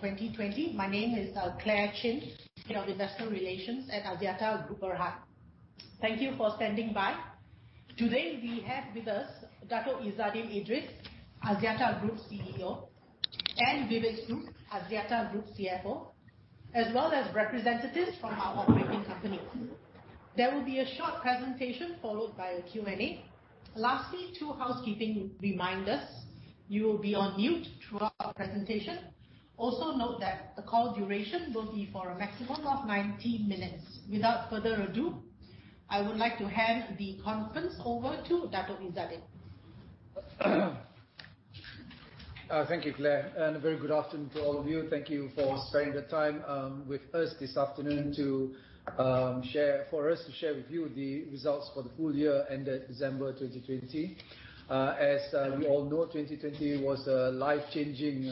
2020. My name is Clare Chin, Head of Investor Relations at Axiata Group Berhad. Thank you for standing by. Today we have with us Dato' Izzaddin Idris, Axiata Group CEO, and Vivek Sood, Axiata Group CFO, as well as representatives from our operating companies. There will be a short presentation followed by a Q&A. Lastly, two housekeeping reminders. You will be on mute throughout the presentation. Note that the call duration will be for a maximum of 90 minutes. Without further ado, I would like to hand the conference over to Dato' Izzaddin. Thank you, Clare, and a very good afternoon to all of you. Thank you for spending the time with us this afternoon for us to share with you the results for the full year ended December 2020. As we all know, 2020 was a life-changing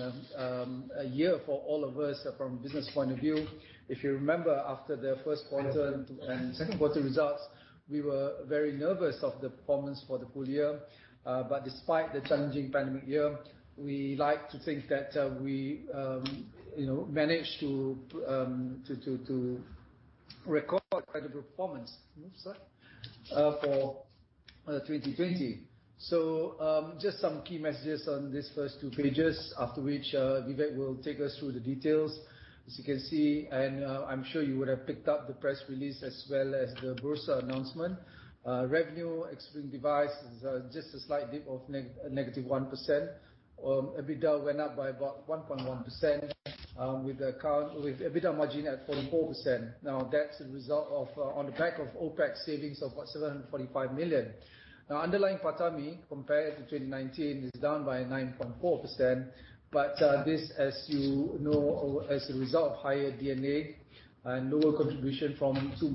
year for all of us from business point of view. If you remember, after the first quarter and second quarter results, we were very nervous of the performance for the full year. Despite the challenging pandemic year, we like to think that we managed to record quite a performance, new slide, for 2020. Just some key messages on these first two pages, after which Vivek will take us through the details. As you can see, and I'm sure you would have picked up the press release as well as the Bursa announcement. Revenue excluding devices is just a slight dip of -1%. EBITDA went up by about 1.1% with EBITDA margin at 44%. That's a result of on the back of OpEx savings of 745 million. Underlying PATAMI compared to 2019 is down by 9.4%, this as you know, as a result of higher D&A and lower contribution from two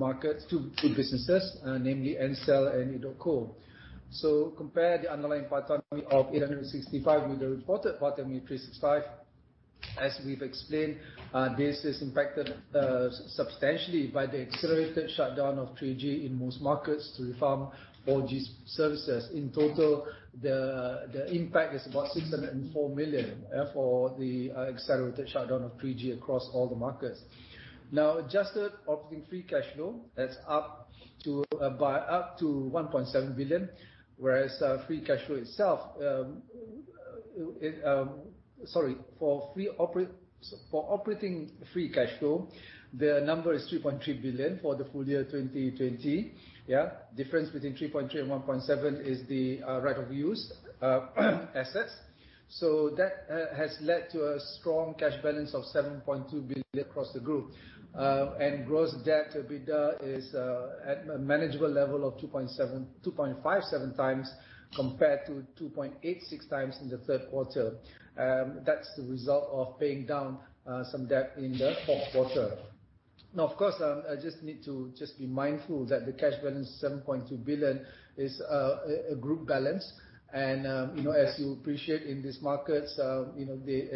businesses, namely Celcom and edotco. Compare the underlying PATAMI of 865 million reported, PATAMI 365 million. As we've explained, this is impacted substantially by the accelerated shutdown of 3G in most markets to reform 4G services. In total, the impact is about 604 million for the accelerated shutdown of 3G across all the markets. Adjusted operating free cash flow, that's up to 1.7 billion, whereas free cash flow itself Sorry for operating free cash flow, the number is 3.3 billion for the full year 2020. Difference between 3.3 billion and 1.7 billion is the right of use assets. That has led to a strong cash balance of 7.2 billion across the group. Gross debt-to-EBITDA is at a manageable level of 2.57x compared to 2.86x in the third quarter. That's the result of paying down some debt in the fourth quarter. Of course, just need to be mindful that the cash balance, 7.2 billion is a group balance. As you appreciate in these markets, we're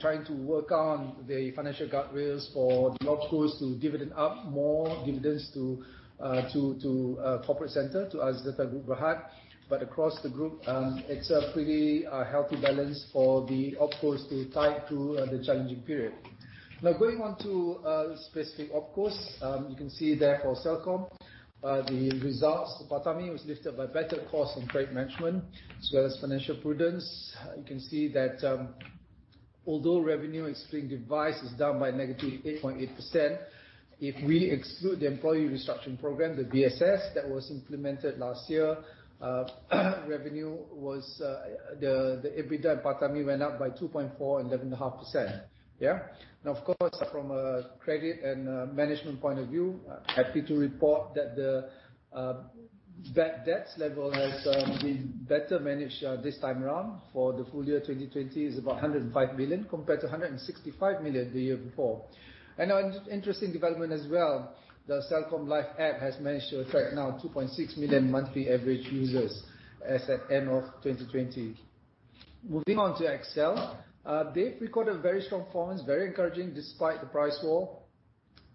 trying to work on the financial guardrails for the OpCos to dividend up more dividends to corporate center, to Axiata Group Berhad. Across the group, it's a pretty healthy balance for the OpCos to tide through the challenging period. Going on to specific OpCos. You can see there for Celcom, the results. The PATAMI was lifted by better cost and credit management as well as financial prudence. You can see that although revenue excluding device is down by -8.8%, if we exclude the employee restructuring program, the BSS that was implemented last year, the EBITDA and PATAMI went up by 2.4% and 11.5%. Yeah. From a credit and a management point of view, happy to report that the bad debts level has been better managed this time around. For the full year 2020 is about 105 million compared to 165 million the year before. An interesting development as well. The CelcomLife app has managed to attract now 2.6 million monthly average users as at end of 2020. Moving on to XL Axiata. They've recorded very strong performance, very encouraging despite the price war,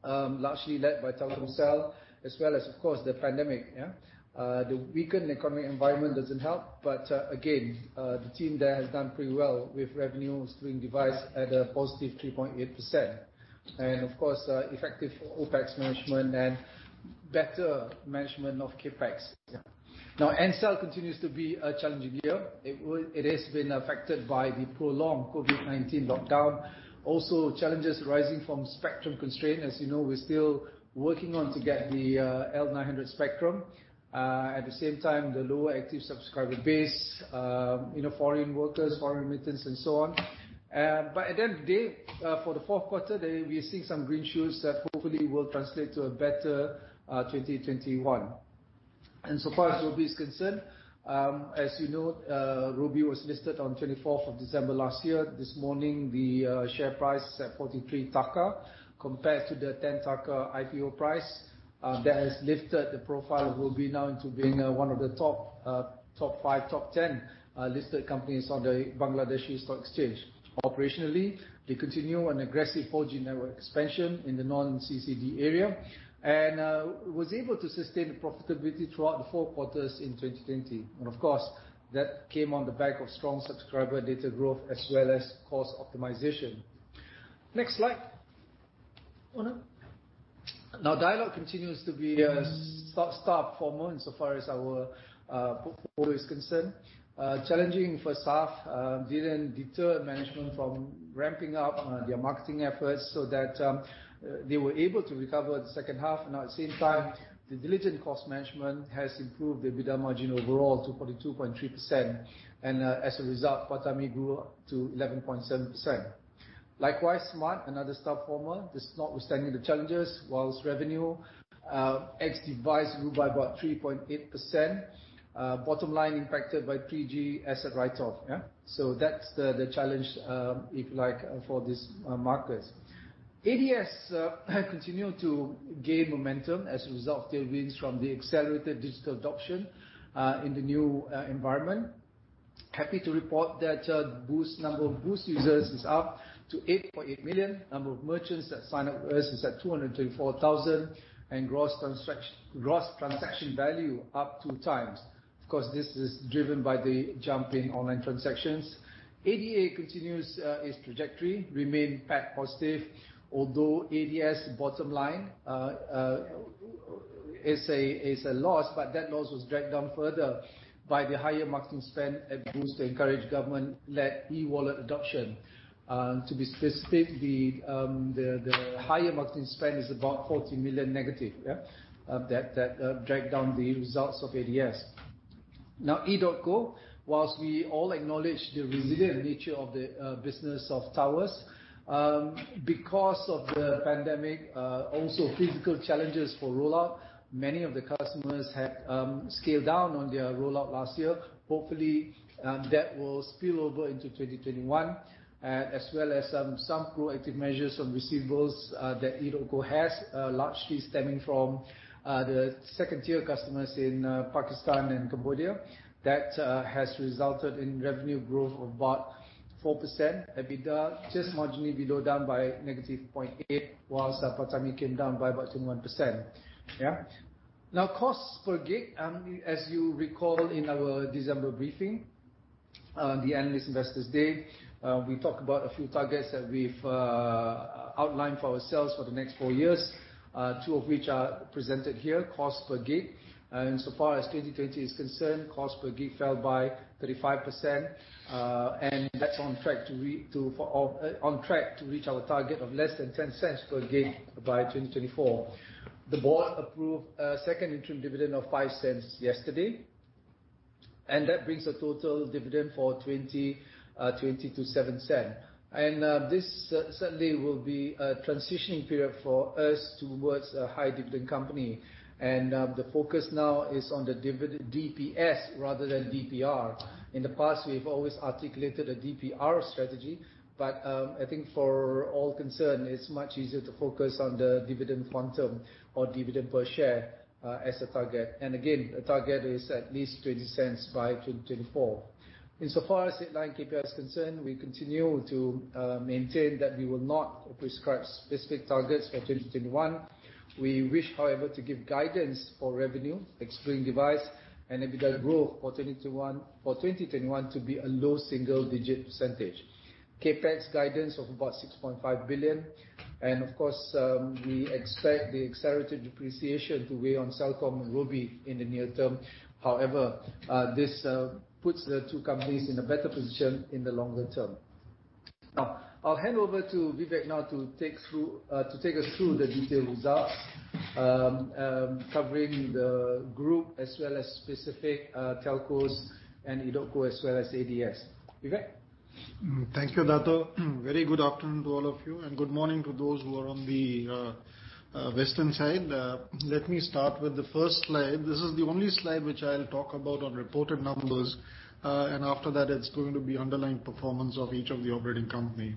largely led by Telkomsel as well as, of course, the pandemic. Yeah. The weakened economic environment doesn't help, but again, the team there has done pretty well with revenue excluding device at a positive 3.8%. Effective OpEx management and better management of CapEx. N-Cell continues to be a challenging year. It has been affected by the prolonged COVID-19 lockdown. Also, challenges arising from spectrum constraint. As you know, we're still working on to get the L900 spectrum. At the same time, the lower active subscriber base, foreign workers, foreign remittance, and so on. At the end of the day, for the fourth quarter, we are seeing some green shoots that hopefully will translate to a better 2021. So far as Robi is concerned, as you know, Robi was listed on of December 24th last year. This morning, the share price is at BDT 43 compared to the BDT 10 IPO price. That has lifted the profile of Robi now into being one of the top five, top 10 listed companies on the Bangladeshi Stock Exchange. Operationally, they continue an aggressive 4G network expansion in the non-CCD area and was able to sustain profitability throughout the Q4 in 2020. Of course, that came on the back of strong subscriber data growth as well as cost optimization. Next slide. Oh, no. Dialog continues to be a star performer insofar as our portfolio is concerned. Challenging for staff didn't deter management from ramping up their marketing efforts so that they were able to recover the second half. At the same time, the diligent cost management has improved the EBITDA margin overall to 42.3%. As a result, PATAMI grew to 11.7%. Likewise, Smart, another star performer, notwithstanding the challenges, whilst revenue ex-device grew by about 3.8%, bottom line impacted by 3G asset write-off. That's the challenge if you like, for these markets. ADS continued to gain momentum as a result of the wins from the accelerated digital adoption in the new environment. Happy to report that the number of Boost users is up to 8.8 million. Number of merchants that sign up with us is at 224,000, and gross transaction value up 2x. Of course, this is driven by the jump in online transactions. ADA continues its trajectory, remain positive, although ADS bottom line is a loss, but that loss was dragged down further by the higher marketing spend at Boost to encourage government-led e-wallet adoption. To be specific, the higher marketing spend is about 40 million negative. That dragged down the results of ADS. edotco, whilst we all acknowledge the resilient nature of the business of towers, because of the pandemic, also physical challenges for rollout, many of the customers had scaled down on their rollout last year. Hopefully, that will spill over into 2021, as well as some proactive measures on receivables that edotco has, largely stemming from the second-tier customers in Pakistan and Cambodia. That has resulted in revenue growth of about four percent. EBITDA just marginally below, down by -0.8, whilst PATAMI came down by about 21%. cost per gig, as you recall in our December briefing, the Analyst Investors Day, we talked about a few targets that we've outlined for ourselves for the next four years, two of which are presented here, cost per gig. Insofar as 2020 is concerned, cost per gig fell by 35%. That's on track to reach our target of less than 0.10 per gig by 2024. The board approved a second interim dividend of 0.05 yesterday. That brings the total dividend for 2020 to 0.07. This certainly will be a transitioning period for us towards a high dividend company. The focus now is on the DPS rather than DPR. In the past, we've always articulated a DPR strategy. I think for all concerned, it's much easier to focus on the dividend quantum or dividend per share as a target. Again, the target is at least 0.20 by 2024. Insofar as headline KPI is concerned, we continue to maintain that we will not prescribe specific targets for 2021. We wish, however, to give guidance for revenue, excluding device, and EBITDA growth for 2021 to be a low single-digit percentage. CapEx guidance of about 6.5 billion. Of course, we expect the accelerated depreciation to weigh on Celcom and Robi in the near term. However, this puts the two companies in a better position in the longer term. Now, I'll hand over to Vivek now to take us through the detailed results, covering the group as well as specific telcos and edotco as well as ADS. Vivek? Thank you, Dato'. Very good afternoon to all of you. Good morning to those who are on the western side. Let me start with the first slide. This is the only slide which I'll talk about on reported numbers. After that it's going to be underlying performance of each of the operating company.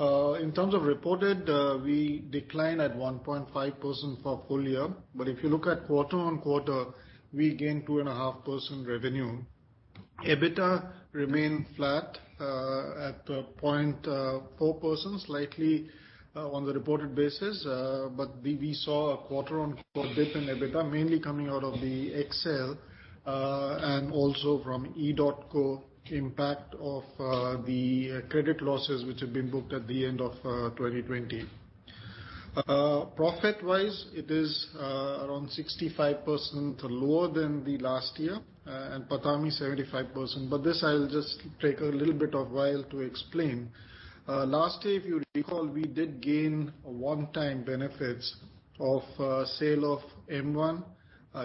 In terms of reported, we declined at 1.5% for full year. If you look at quarter-on-quarter, we gained 2.5% revenue. EBITDA remained flat at 0.4%, slightly on the reported basis. We saw a quarter-on-quarter dip in EBITDA, mainly coming out of the XL Axiata, and also from edotco impact of the credit losses which have been booked at the end of 2020. Profit-wise, it is around 65% lower than the last year. PATMI 75%. This I'll just take a little bit of while to explain. Last year, if you recall, we did gain a one-time benefits of sale of M1,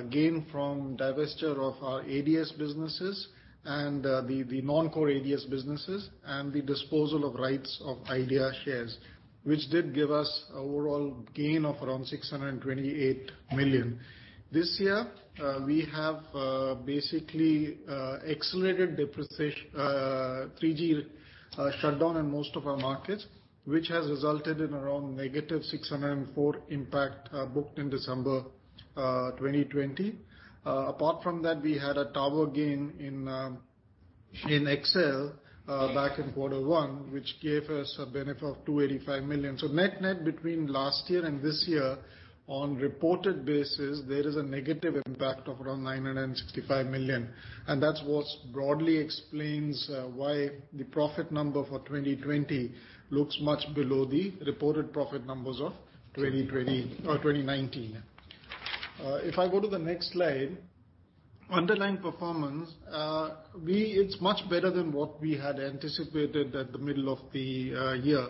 gain from divestiture of our ADS businesses and the non-core ADS businesses and the disposal of rights of Idea shares, which did give us overall gain of around 628 million. This year, we have basically accelerated 3G shutdown in most of our markets, which has resulted in around negative 604 impact booked in December 2020. Apart from that, we had a tower gain in XL Axiata back in quarter one, which gave us a benefit of 285 million. Net-net between last year and this year, on reported basis, there is a negative impact of around 965 million. That's what broadly explains why the profit number for 2020 looks much below the reported profit numbers of 2019. If I go to the next slide. Underlying performance, it is much better than what we had anticipated at the middle of the year.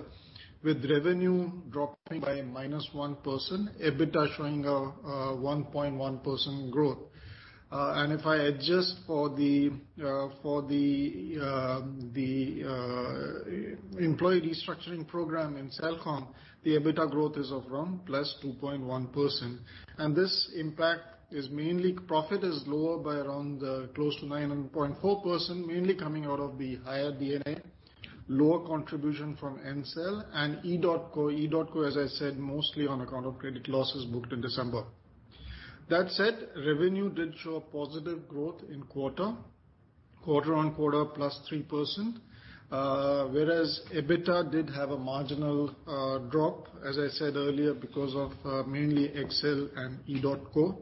With revenue dropping by -one percent, EBITDA showing a 1.1% growth. If I adjust for the employee restructuring program in Celcom, the EBITDA growth is of around +2.1%. This impact is mainly profit is lower by around close to 9.4%, mainly coming out of the higher D&A, lower contribution from Ncell and edotco. edotco, as I said, mostly on account of credit losses booked in December. That said, revenue did show a positive growth in quarter. Quarter-on-quarter, +three percent, whereas EBITDA did have a marginal drop, as I said earlier, because of mainly Ncell and edotco.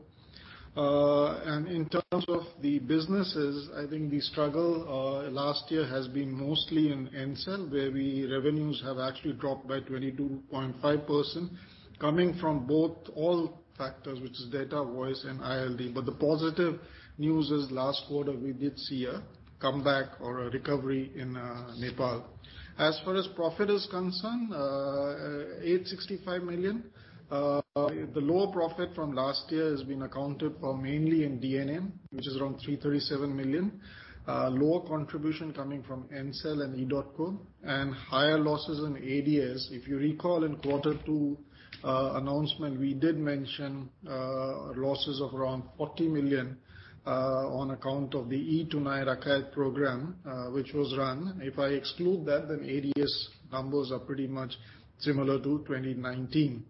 In terms of the businesses, I think the struggle last year has been mostly in Ncell, where revenues have actually dropped by 22.5%, coming from all factors, which is data, voice, and ILD. The positive news is last quarter, we did see a comeback or a recovery in Nepal. As far as profit is concerned, 865 million. The lower profit from last year has been accounted for mainly in D&A, which is around 337 million. Lower contribution coming from Ncell and edotco, and higher losses in ADS. If you recall in quarter two announcement, we did mention losses of around 40 million on account of the e-Tunai Rakyat program, which was run. If I exclude that, ADS numbers are pretty much similar to 2019.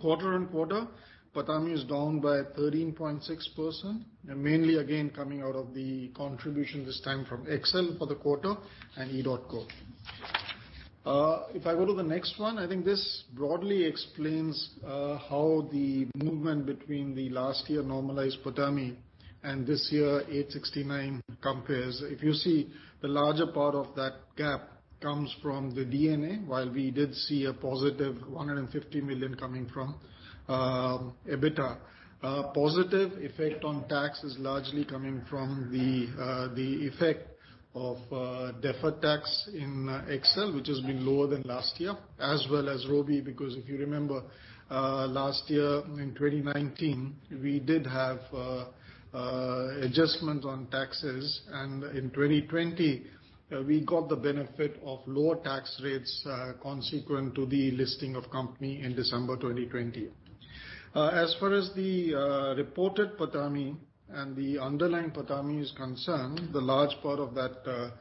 Quarter-on-quarter, PATAMI is down by 13.6%, mainly again, coming out of the contribution this time from XL for the quarter and edotco. If I go to the next one, I think this broadly explains how the movement between the last year normalized PATAMI and this year 869 compares. If you see, the larger part of that gap comes from the D&A. We did see a positive 150 million coming from EBITDA. Positive effect on tax is largely coming from the effect of deferred tax in XL, which has been lower than last year, as well as Robi, because if you remember last year in 2019, we did have adjustment on taxes, and in 2020, we got the benefit of lower tax rates consequent to the listing of company in December 2020. As far as the reported PATAMI and the underlying PATAMI is concerned, the large part of that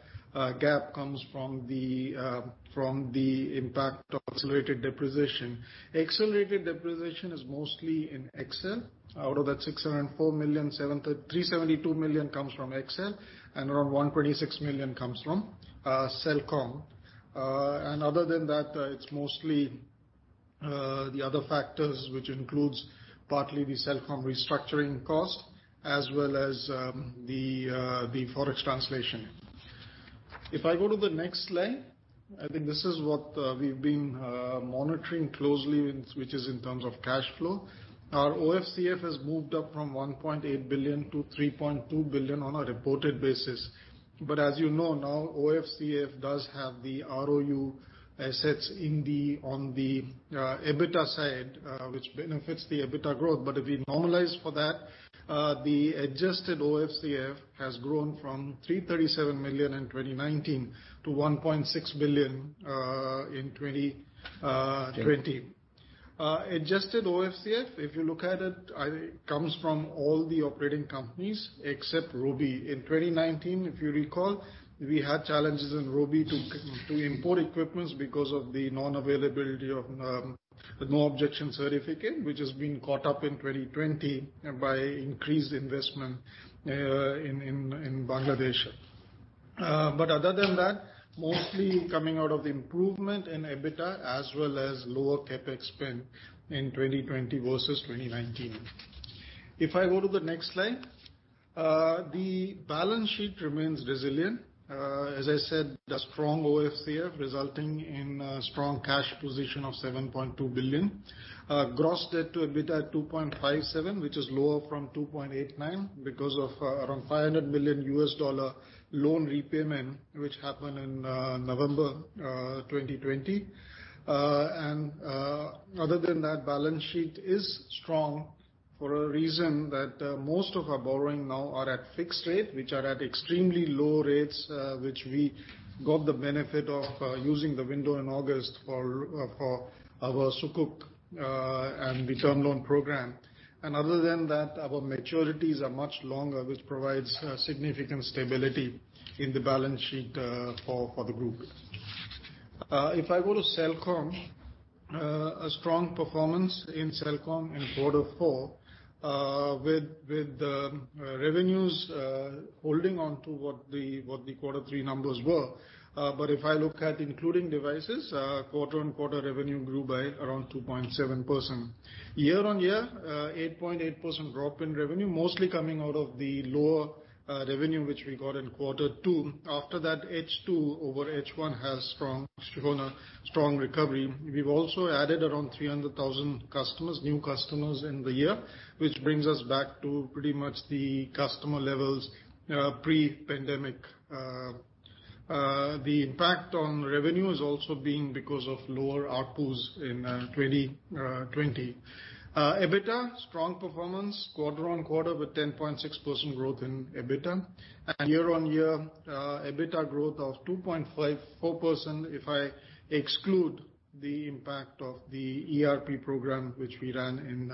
gap comes from the impact of accelerated depreciation. Accelerated depreciation is mostly in XL. Out of that 604 million, 372 million comes from XL and around 126 million comes from Celcom. Other than that, it's mostly the other factors, which includes partly the Celcom restructuring cost as well as the forex translation. If I go to the next slide, I think this is what we've been monitoring closely which is in terms of cash flow. Our OFCF has moved up from 1.8 billion to 3.2 billion on a reported basis. As you know, now OFCF does have the ROU assets on the EBITDA side, which benefits the EBITDA growth. If we normalize for that, the adjusted OFCF has grown from 337 million in 2019 to 1.6 billion in 2020. Adjusted OFCF, if you look at it, comes from all the operating companies except Robi. In 2019, if you recall, we had challenges in Robi to import equipment because of the non-availability of no objection certificate, which has been caught up in 2020 by increased investment in Bangladesh. Other than that, mostly coming out of the improvement in EBITDA as well as lower CapEx spend in 2020 versus 2019. If I go to the next slide. The balance sheet remains resilient. As I said, the strong OFCF resulting in strong cash position of 7.2 billion. Gross debt to EBITDA 2.57, which is lower from 2.89 because of around MYR 500 million loan repayment, which happened in November 2020. Other than that, balance sheet is strong for a reason that most of our borrowing now are at fixed rate, which are at extremely low rates which we got the benefit of using the window in August for our Sukuk and the term loan program. Other than that, our maturities are much longer, which provides significant stability in the balance sheet for the group. If I go to Celcom, a strong performance in Celcom in Q4, with revenues holding on to what the quarter three numbers were. If I look at including devices, quarter-on-quarter revenue grew by around 2.7%. Year-on-year, 8.8% drop in revenue, mostly coming out of the lower revenue which we got in Q2. After that H2 over H1 has shown a strong recovery. We've also added around 300,000 new customers in the year, which brings us back to pretty much the customer levels pre-pandemic. The impact on revenue has also been because of lower ARPUs in 2020. EBITDA, strong performance quarter-on-quarter with 10.6% growth in EBITDA and year-on-year EBITDA growth of 2.54% if I exclude the impact of the ERP program, which we ran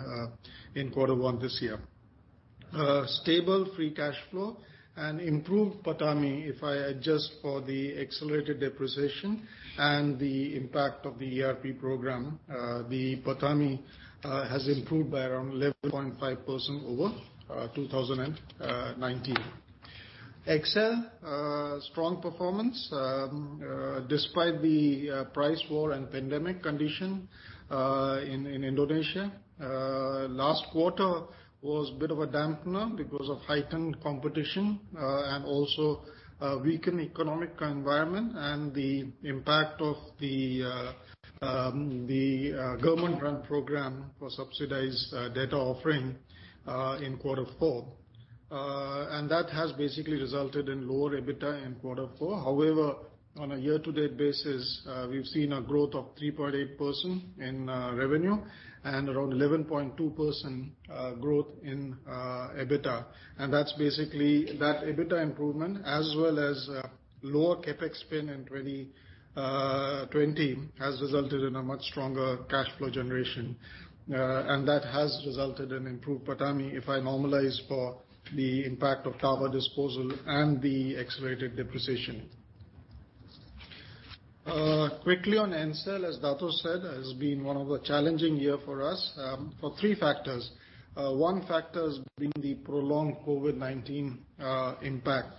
in quarter one this year. Stable free cash flow and improved PATAMI, if I adjust for the accelerated depreciation and the impact of the ERP program, the PATAMI has improved by around 11.5% over 2019. XL Axiata, strong performance despite the price war and pandemic condition, in Indonesia. Last quarter was a bit of a dampener because of heightened competition, and also a weakened economic environment and the impact of the government-run program for subsidized data offering in Q4. That has basically resulted in lower EBITDA in quarter four. However, on a year-to-date basis, we've seen a growth of 3.8% in revenue and around 11.2% growth in EBITDA. That's basically that EBITDA improvement as well as lower CapEx spend in 2020 has resulted in a much stronger cash flow generation. That has resulted in improved PATAMI, if I normalize for the impact of tower disposal and the accelerated depreciation. Quickly on Ncell, as Dato' said, has been one of the challenging year for us, for three factors. One factor's been the prolonged COVID-19 impact.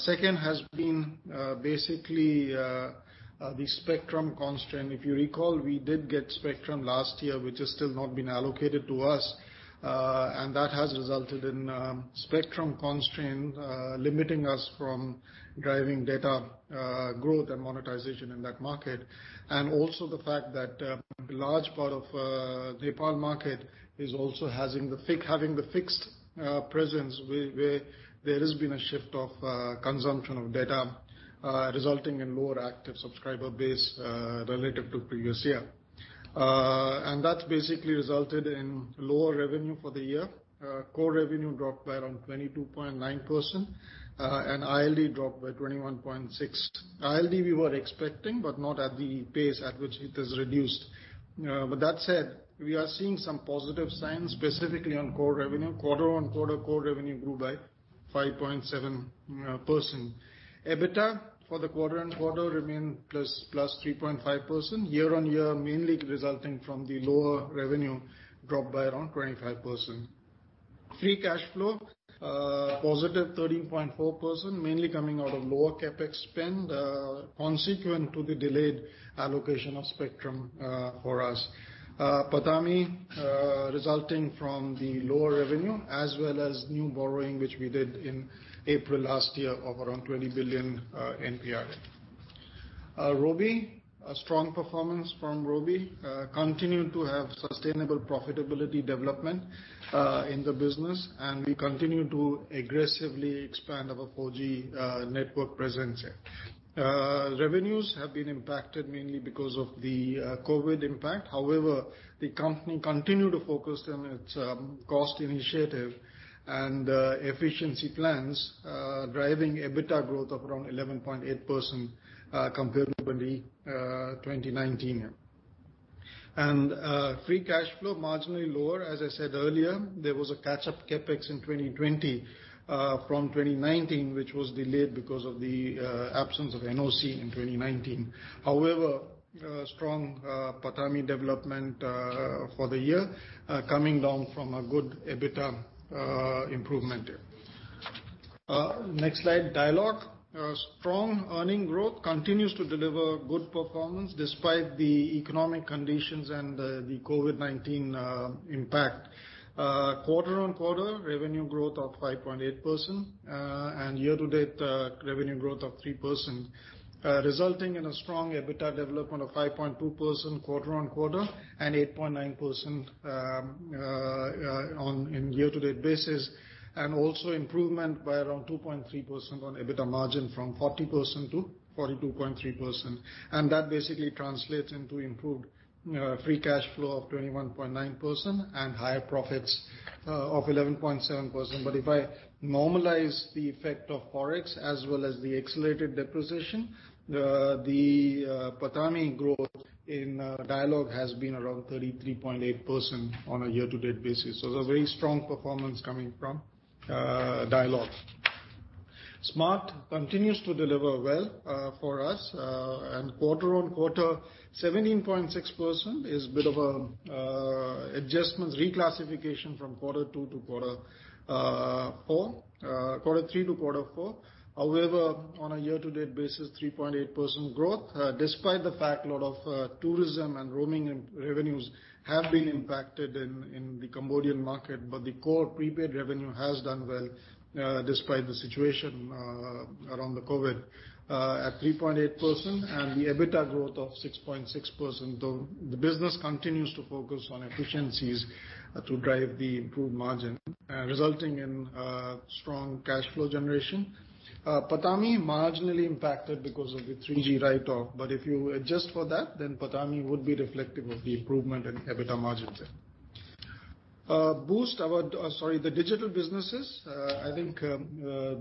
Second has been basically, the spectrum constraint. If you recall, we did get spectrum last year, which has still not been allocated to us. That has resulted in spectrum constraint, limiting us from driving data growth and monetization in that market. Also the fact that a large part of Nepal market is also having the fixed presence where there has been a shift of consumption of data, resulting in lower active subscriber base, relative to previous year. That's basically resulted in lower revenue for the year. Core revenue dropped by around 22.9%, ILD dropped by 21.6%. ILD we were expecting, not at the pace at which it has reduced. That said, we are seeing some positive signs, specifically on core revenue. Quarter-on-quarter core revenue grew by 5.7%. EBITDA for the quarter-on-quarter remained +3.5%. Year-on-year mainly resulting from the lower revenue drop by around 25%. Free cash flow, +13.4%, mainly coming out of lower CapEx spend, consequent to the delayed allocation of spectrum for us. PATAMI, resulting from the lower revenue as well as new borrowing, which we did in April last year of around NPR 20 billion. Robi, a strong performance from Robi. Continue to have sustainable profitability development, in the business, and we continue to aggressively expand our 4G network presence there. Revenues have been impacted mainly because of the COVID impact. However, the company continued to focus on its cost initiative and efficiency plans, driving EBITDA growth of around 11.8% comparably 2019. Free cash flow marginally lower. As I said earlier, there was a catch-up CapEx in 2020, from 2019, which was delayed because of the absence of NOC in 2019. Strong PATAMI development for the year, coming down from a good EBITDA improvement there. Next slide, Dialog. Strong earning growth continues to deliver good performance despite the economic conditions and the COVID-19 impact. Quarter-on-quarter revenue growth of 5.8%, year-to-date revenue growth of three percent, resulting in a strong EBITDA development of 5.2% quarter-on-quarter and 8.9% in year-to-date basis. Also improvement by around 2.3% on EBITDA margin from 40% - 42.3%. That basically translates into improved free cash flow of 21.9% and higher profits of 11.7%. If I normalize the effect of Forex as well as the accelerated depreciation, the PATAMI growth in Dialog has been around 33.8% on a year-to-date basis. It's a very strong performance coming from Dialog. Smart continues to deliver well for us, quarter-on-quarter, 17.6% is a bit of adjustments reclassification from Q2 - Q4 Q3 - Q4. On a year-to-date basis, 3.8% growth, despite the fact lot of tourism and roaming revenues have been impacted in the Cambodian market, but the core prepaid revenue has done well, despite the situation around the COVID, at 3.8% and the EBITDA growth of 6.6%. The business continues to focus on efficiencies to drive the improved margin, resulting in strong cash flow generation. PATAMI marginally impacted because of the 3G write-off, if you adjust for that, then PATAMI would be reflective of the improvement in EBITDA margins there. Boost, the digital businesses. I think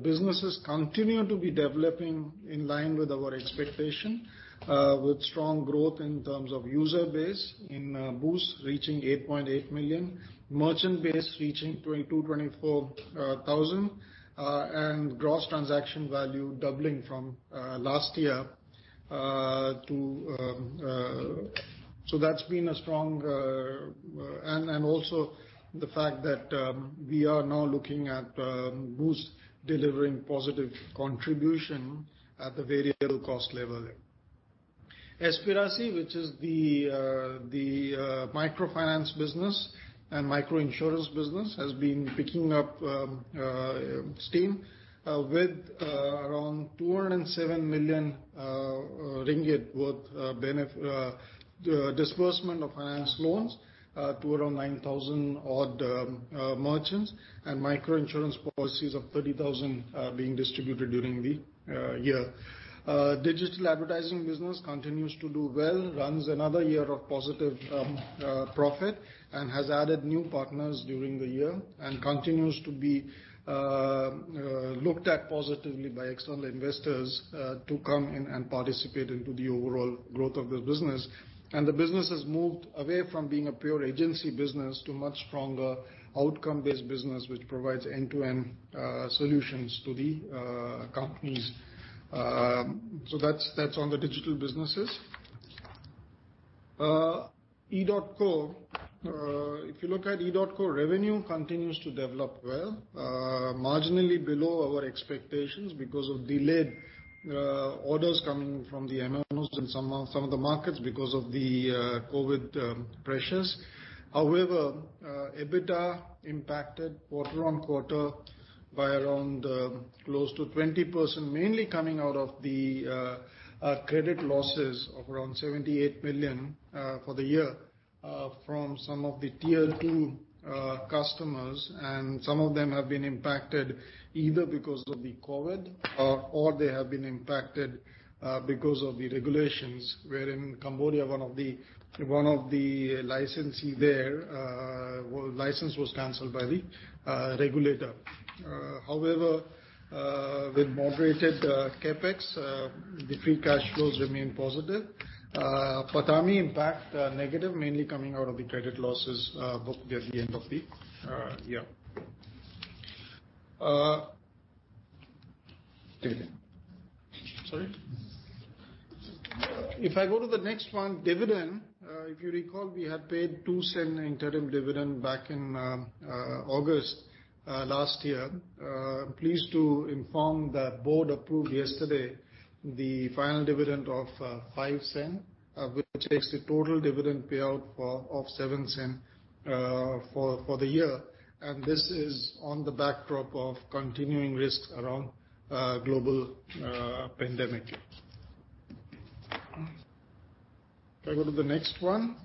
businesses continue to be developing in line with our expectation, with strong growth in terms of user base in Boost, reaching 8.8 million. Merchant base reaching 22,000, 24,000, and gross transaction value doubling from last year to. Also, the fact that we are now looking at Boost delivering positive contribution at the variable cost level. Aspirasi, which is the microfinance business and micro-insurance business, has been picking up steam with around 207 million ringgit worth disbursement of finance loans to around 9,000 odd merchants, and micro-insurance policies of 30,000 being distributed during the year. Digital advertising business continues to do well, runs another year of positive profit and has added new partners during the year and continues to be looked at positively by external investors, to come in and participate into the overall growth of the business. The business has moved away from being a pure agency business to much stronger outcome-based business, which provides end-to-end solutions to the companies. That's on the digital businesses. edotco. If you look at edotco, revenue continues to develop well. Marginally below our expectations because of delayed orders coming from the MNOs in some of the markets because of the COVID pressures. However, EBITDA impacted quarter-on-quarter by around close to 20%, mainly coming out of the credit losses of around 78 million for the year from some of the tier two customers, and some of them have been impacted either because of the COVID or they have been impacted because of the regulations where in Cambodia, one of the licensee there, license was canceled by the regulator. However, with moderated CapEx, the free cash flows remain positive. PATAMI impact negative mainly coming out of the credit losses booked at the end of the year. Sorry. If I go to the next one, dividend. If you recall, we had paid 0.02 interim dividend back in August last year. Pleased to inform that board approved yesterday the final dividend of 0.05, which takes the total dividend payout of 0.07 for the year. This is on the backdrop of continuing risk around global pandemic. If I go to the next one.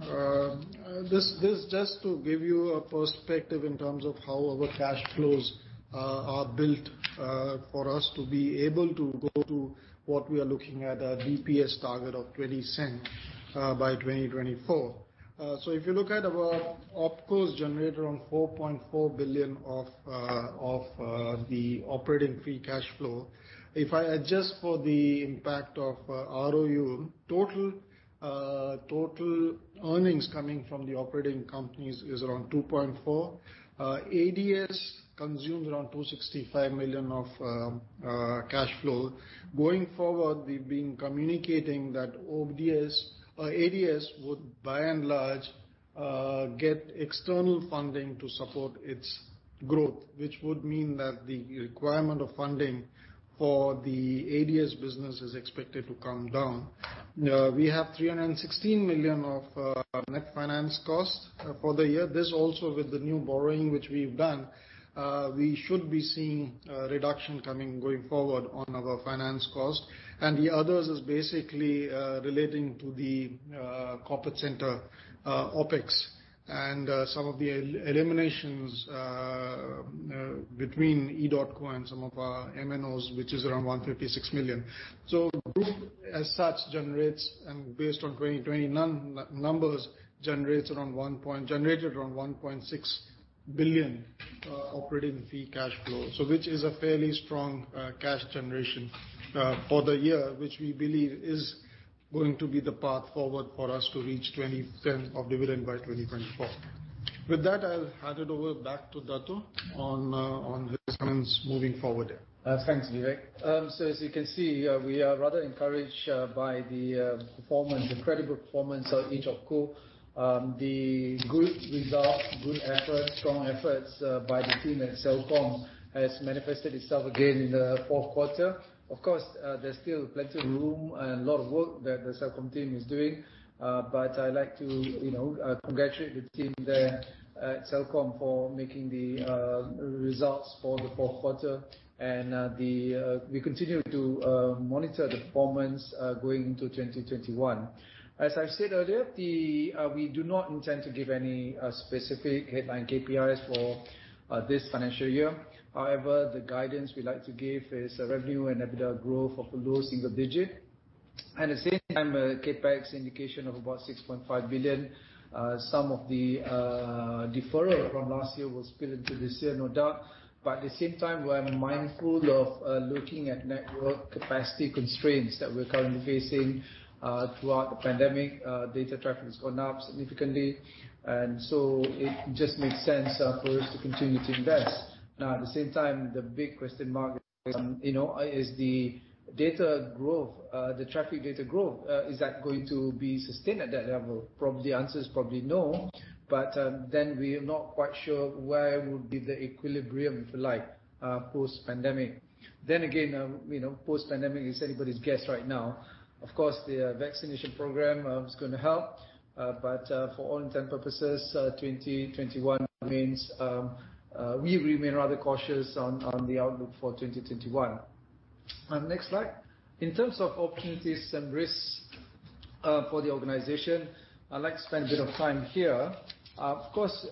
This is just to give you a perspective in terms of how our cash flows are built, for us to be able to go to what we are looking at a DPS target of 0.20 by 2024. If you look at our OpCos generated around 4.4 billion of the operating free cash flow. If I adjust for the impact of ROU, total earnings coming from the operating companies is around 2.4. ADS consumed around 265 million of cash flow. Going forward, we've been communicating that ADS would by and large, get external funding to support its growth, which would mean that the requirement of funding for the ADS business is expected to come down. We have 316 million of net finance cost for the year. This also with the new borrowing which we've done, we should be seeing a reduction coming going forward on our finance cost. The others is basically relating to the corporate center OpEx and some of the eliminations between edotco and some of our MNOs, which is around 156 million. Group as such generates, and based on 2020 numbers, generated around 1.6 billion operating free cash flow. Which is a fairly strong cash generation for the year, which we believe is going to be the path forward for us to reach 0.20 of dividend by 2024. With that, I'll hand it over back to Dato' on his comments moving forward. Thanks, Vivek. As you can see, we are rather encouraged by the incredible performance of edotco. The good result, good effort, strong efforts by the team at Celcom has manifested itself again in the Q4. Of course, there's still plenty of room and a lot of work that the Celcom team is doing. I'd like to congratulate the team there at Celcom for making the results for the Q4. We continue to monitor the performance going into 2021. As I've said earlier, we do not intend to give any specific headline KPIs for this financial year. However, the guidance we like to give is a revenue and EBITDA growth of a low single digit. At the same time, CapEx indication of about 6.5 billion. Some of the deferral from last year will spill into this year, no doubt. At the same time, we're mindful of looking at network capacity constraints that we're currently facing throughout the pandemic. Data traffic has gone up significantly. It just makes sense for us to continue to invest. At the same time, the big question mark is the traffic data growth. Is that going to be sustained at that level? The answer is probably no. We are not quite sure where would be the equilibrium, if you like, post-pandemic. Again, post-pandemic is anybody's guess right now. Of course, the vaccination program is going to help. For all intent purposes, 2021 means we remain rather cautious on the outlook for 2021. Next slide. In terms of opportunities and risks for the organization, I'd like to spend a bit of time here.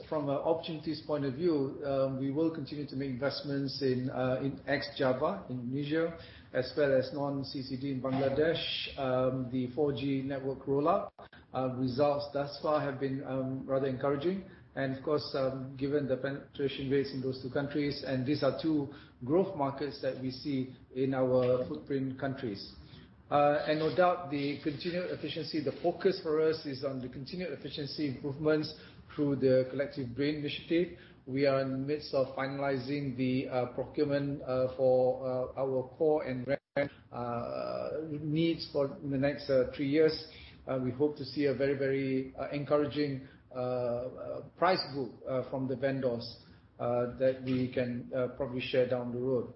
From an opportunities point of view, we will continue to make investments in ex-Java, Indonesia, as well as non-CDM in Bangladesh. The 4G network rollout results thus far have been rather encouraging and of course, given the penetration rates in those two countries, these are two growth markets that we see in our footprint countries. No doubt, the continued efficiency, the focus for us is on the continued efficiency improvements through the Collective Brain initiative. We are in the midst of finalizing the procurement for our core and needs for the next three years. We hope to see a very encouraging price book from the vendors that we can probably share down the road.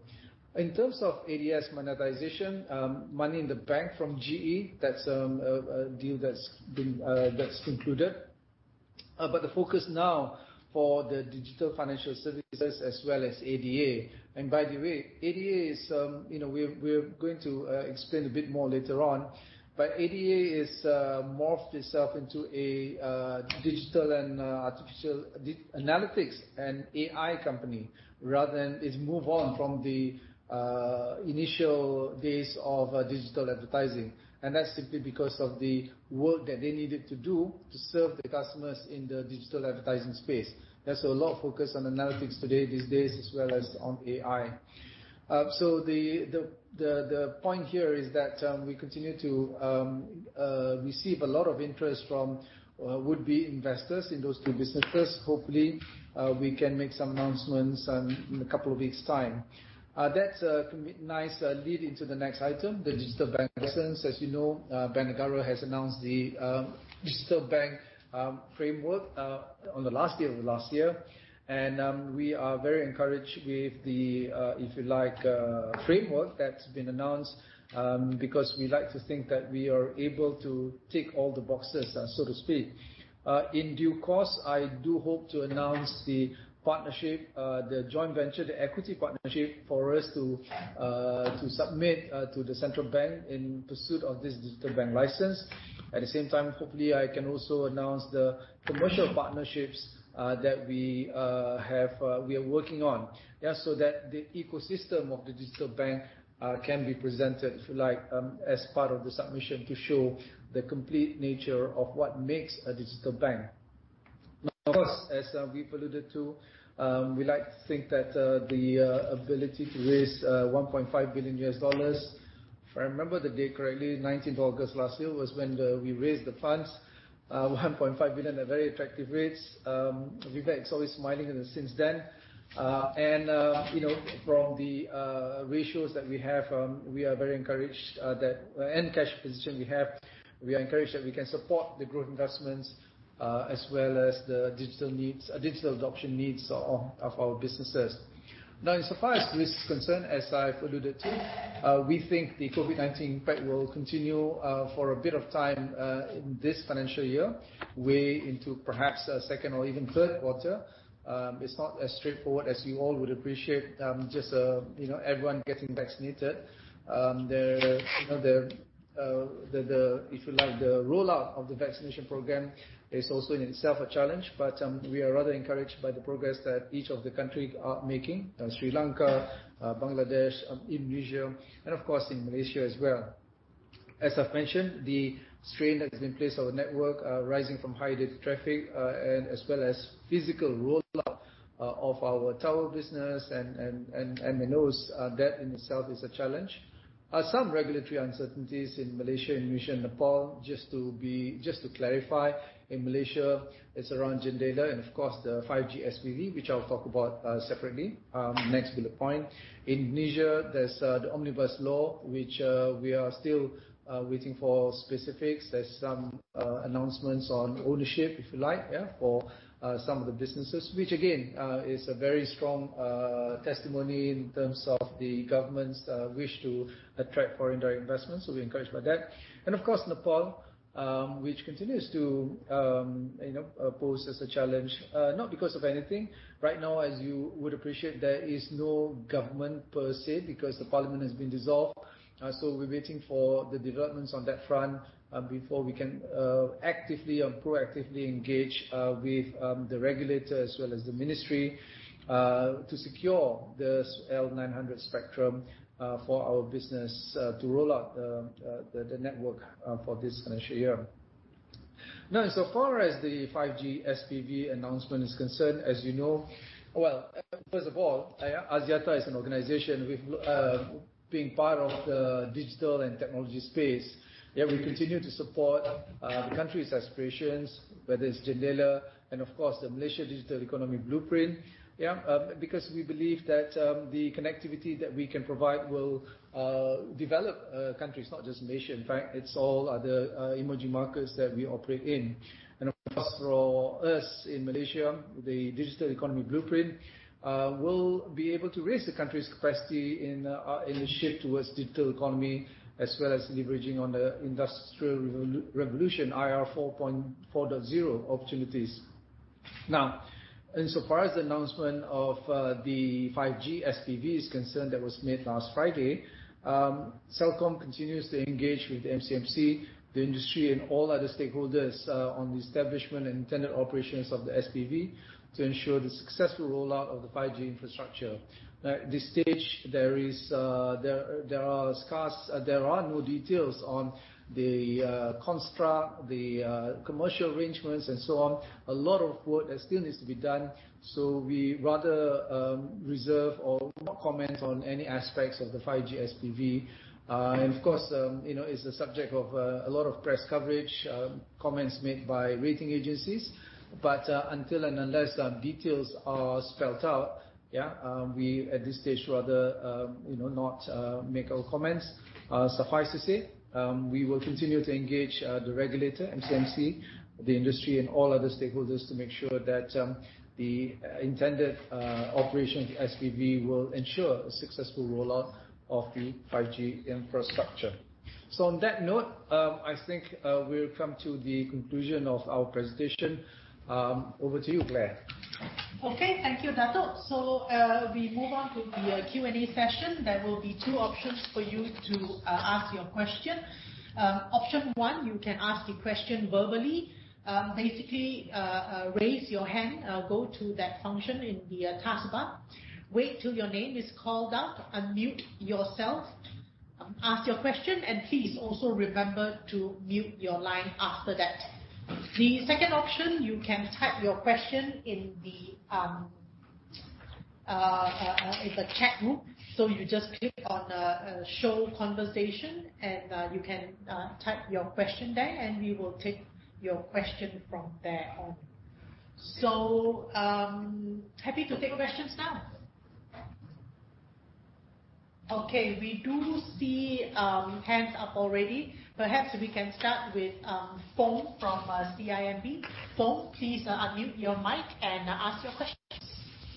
In terms of ADS monetization, money in the bank from GE, that's a deal that's included. The focus now for the digital financial services as well as ADA, and by the way, ADA, we're going to explain a bit more later on, but ADA has morphed itself into a digital and artificial analytics and AI company. It's moved on from the initial days of digital advertising, and that's simply because of the work that they needed to do to serve the customers in the digital advertising space. There's a lot of focus on analytics these days as well as on AI. The point here is that we continue to receive a lot of interest from would-be investors in those two businesses. Hopefully, we can make some announcements in a couple of weeks' time. That's a nice lead into the next item, the digital bank license. As you know, Bank Negara has announced the digital bank framework on the last day of last year. We are very encouraged with the, if you like, framework that's been announced, because we like to think that we are able to tick all the boxes, so to speak. In due course, I do hope to announce the joint venture, the equity partnership for us to submit to the central bank in pursuit of this digital bank license. Hopefully, I can also announce the commercial partnerships that we are working on, so that the ecosystem of the digital bank can be presented, if you like, as part of the submission to show the complete nature of what makes a digital bank. Of course, as we've alluded to, we like to think that the ability to raise $1.5 billion US, if I remember the date correctly, 19th August last year, was when we raised the funds, $1.5 billion at very attractive rates. Vivek's always smiling since then. From the ratios that we have, and cash position we have, we are encouraged that we can support the growth investments as well as the digital adoption needs of our businesses. Now, in so far as risk is concerned, as I've alluded to, we think the COVID-19 impact will continue for a bit of time in this financial year, way into perhaps Q2 or even Q3. It's not as straightforward as you all would appreciate, just everyone getting vaccinated. If you like, the rollout of the vaccination program is also, in itself, a challenge, but we are rather encouraged by the progress that each of the countries are making, Sri Lanka, Bangladesh, Indonesia, and of course, in Malaysia as well. As I've mentioned, the strain that is in place on the network, rising from high data traffic, as well as physical rollout of our tower business and MNOs, that in itself is a challenge. Some regulatory uncertainties in Malaysia, Indonesia, and Nepal. Just to clarify, in Malaysia, it's around JENDELA and of course, the 5G SPV, which I'll talk about separately. Next bullet point. In Indonesia, there's the Omnibus Law, which we are still waiting for specifics. There's some announcements on ownership, if you like, for some of the businesses. Which again, is a very strong testimony in terms of the government's wish to attract foreign direct investments. We're encouraged by that. Of course, Nepal, which continues to pose as a challenge, not because of anything. Right now, as you would appreciate, there is no government per se, because the parliament has been dissolved. We're waiting for the developments on that front before we can actively and proactively engage with the regulator as well as the ministry, to secure the L900 spectrum for our business to roll out the network for this financial year. Insofar as the 5G SPV announcement is concerned, as you know Well, first of all, Axiata is an organization, being part of the digital and technology space, yet we continue to support the country's aspirations, whether it's JENDELA and, of course, the Malaysia Digital Economy Blueprint, because we believe that the connectivity that we can provide will develop countries, not just Malaysia. In fact, it's all other emerging markets that we operate in. Of course, for us in Malaysia, the Digital Economy Blueprint, we'll be able to raise the country's capacity in the shift towards digital economy, as well as leveraging on the industrial revolution IR 4.0 opportunities. Now, insofar as the announcement of the 5G SPV is concerned, that was made last Friday, Celcom continues to engage with MCMC, the industry, and all other stakeholders on the establishment and intended operations of the SPV to ensure the successful rollout of the 5G infrastructure. At this stage, there are no details on the construct, the commercial arrangements and so on. A lot of work still needs to be done, so we'd rather reserve or not comment on any aspects of the 5G SPV. Of course, it's the subject of a lot of press coverage, comments made by rating agencies. Until and unless details are spelt out, we, at this stage, rather not make our comments. Suffice to say, we will continue to engage the regulator, MCMC, the industry, and all other stakeholders to make sure that the intended operation of the 5G SPV will ensure a successful rollout of the 5G infrastructure. On that note, I think we've come to the conclusion of our presentation. Over to you, Clare. Okay. Thank you, Dato'. We move on to the Q&A session. There will be two options for you to ask your question. Option one, you can ask the question verbally. Basically, raise your hand, go to that function in the taskbar, wait till your name is called out, unmute yourself, ask your question, and please also remember to mute your line after that. The second option, you can type your question in the chat room. You just click on, Show Conversation, and you can type your question there, and we will take your question from there on. Happy to take questions now. Okay, we do see hands up already. Perhaps we can start with Fong from CIMB. Fong, please unmute your mic and ask your questions.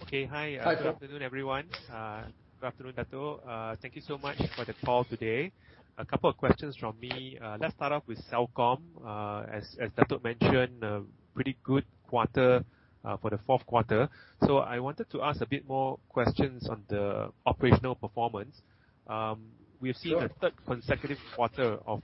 Okay. Hi. Hi, Fong. Good afternoon, everyone. Good afternoon, Dato. Thank you so much for the call today. A couple of questions from me. Let's start off with Celcom. As Dato mentioned, a pretty good quarter for the fourth quarter. I wanted to ask a bit more questions on the operational performance. Sure. We have seen a third consecutive quarter of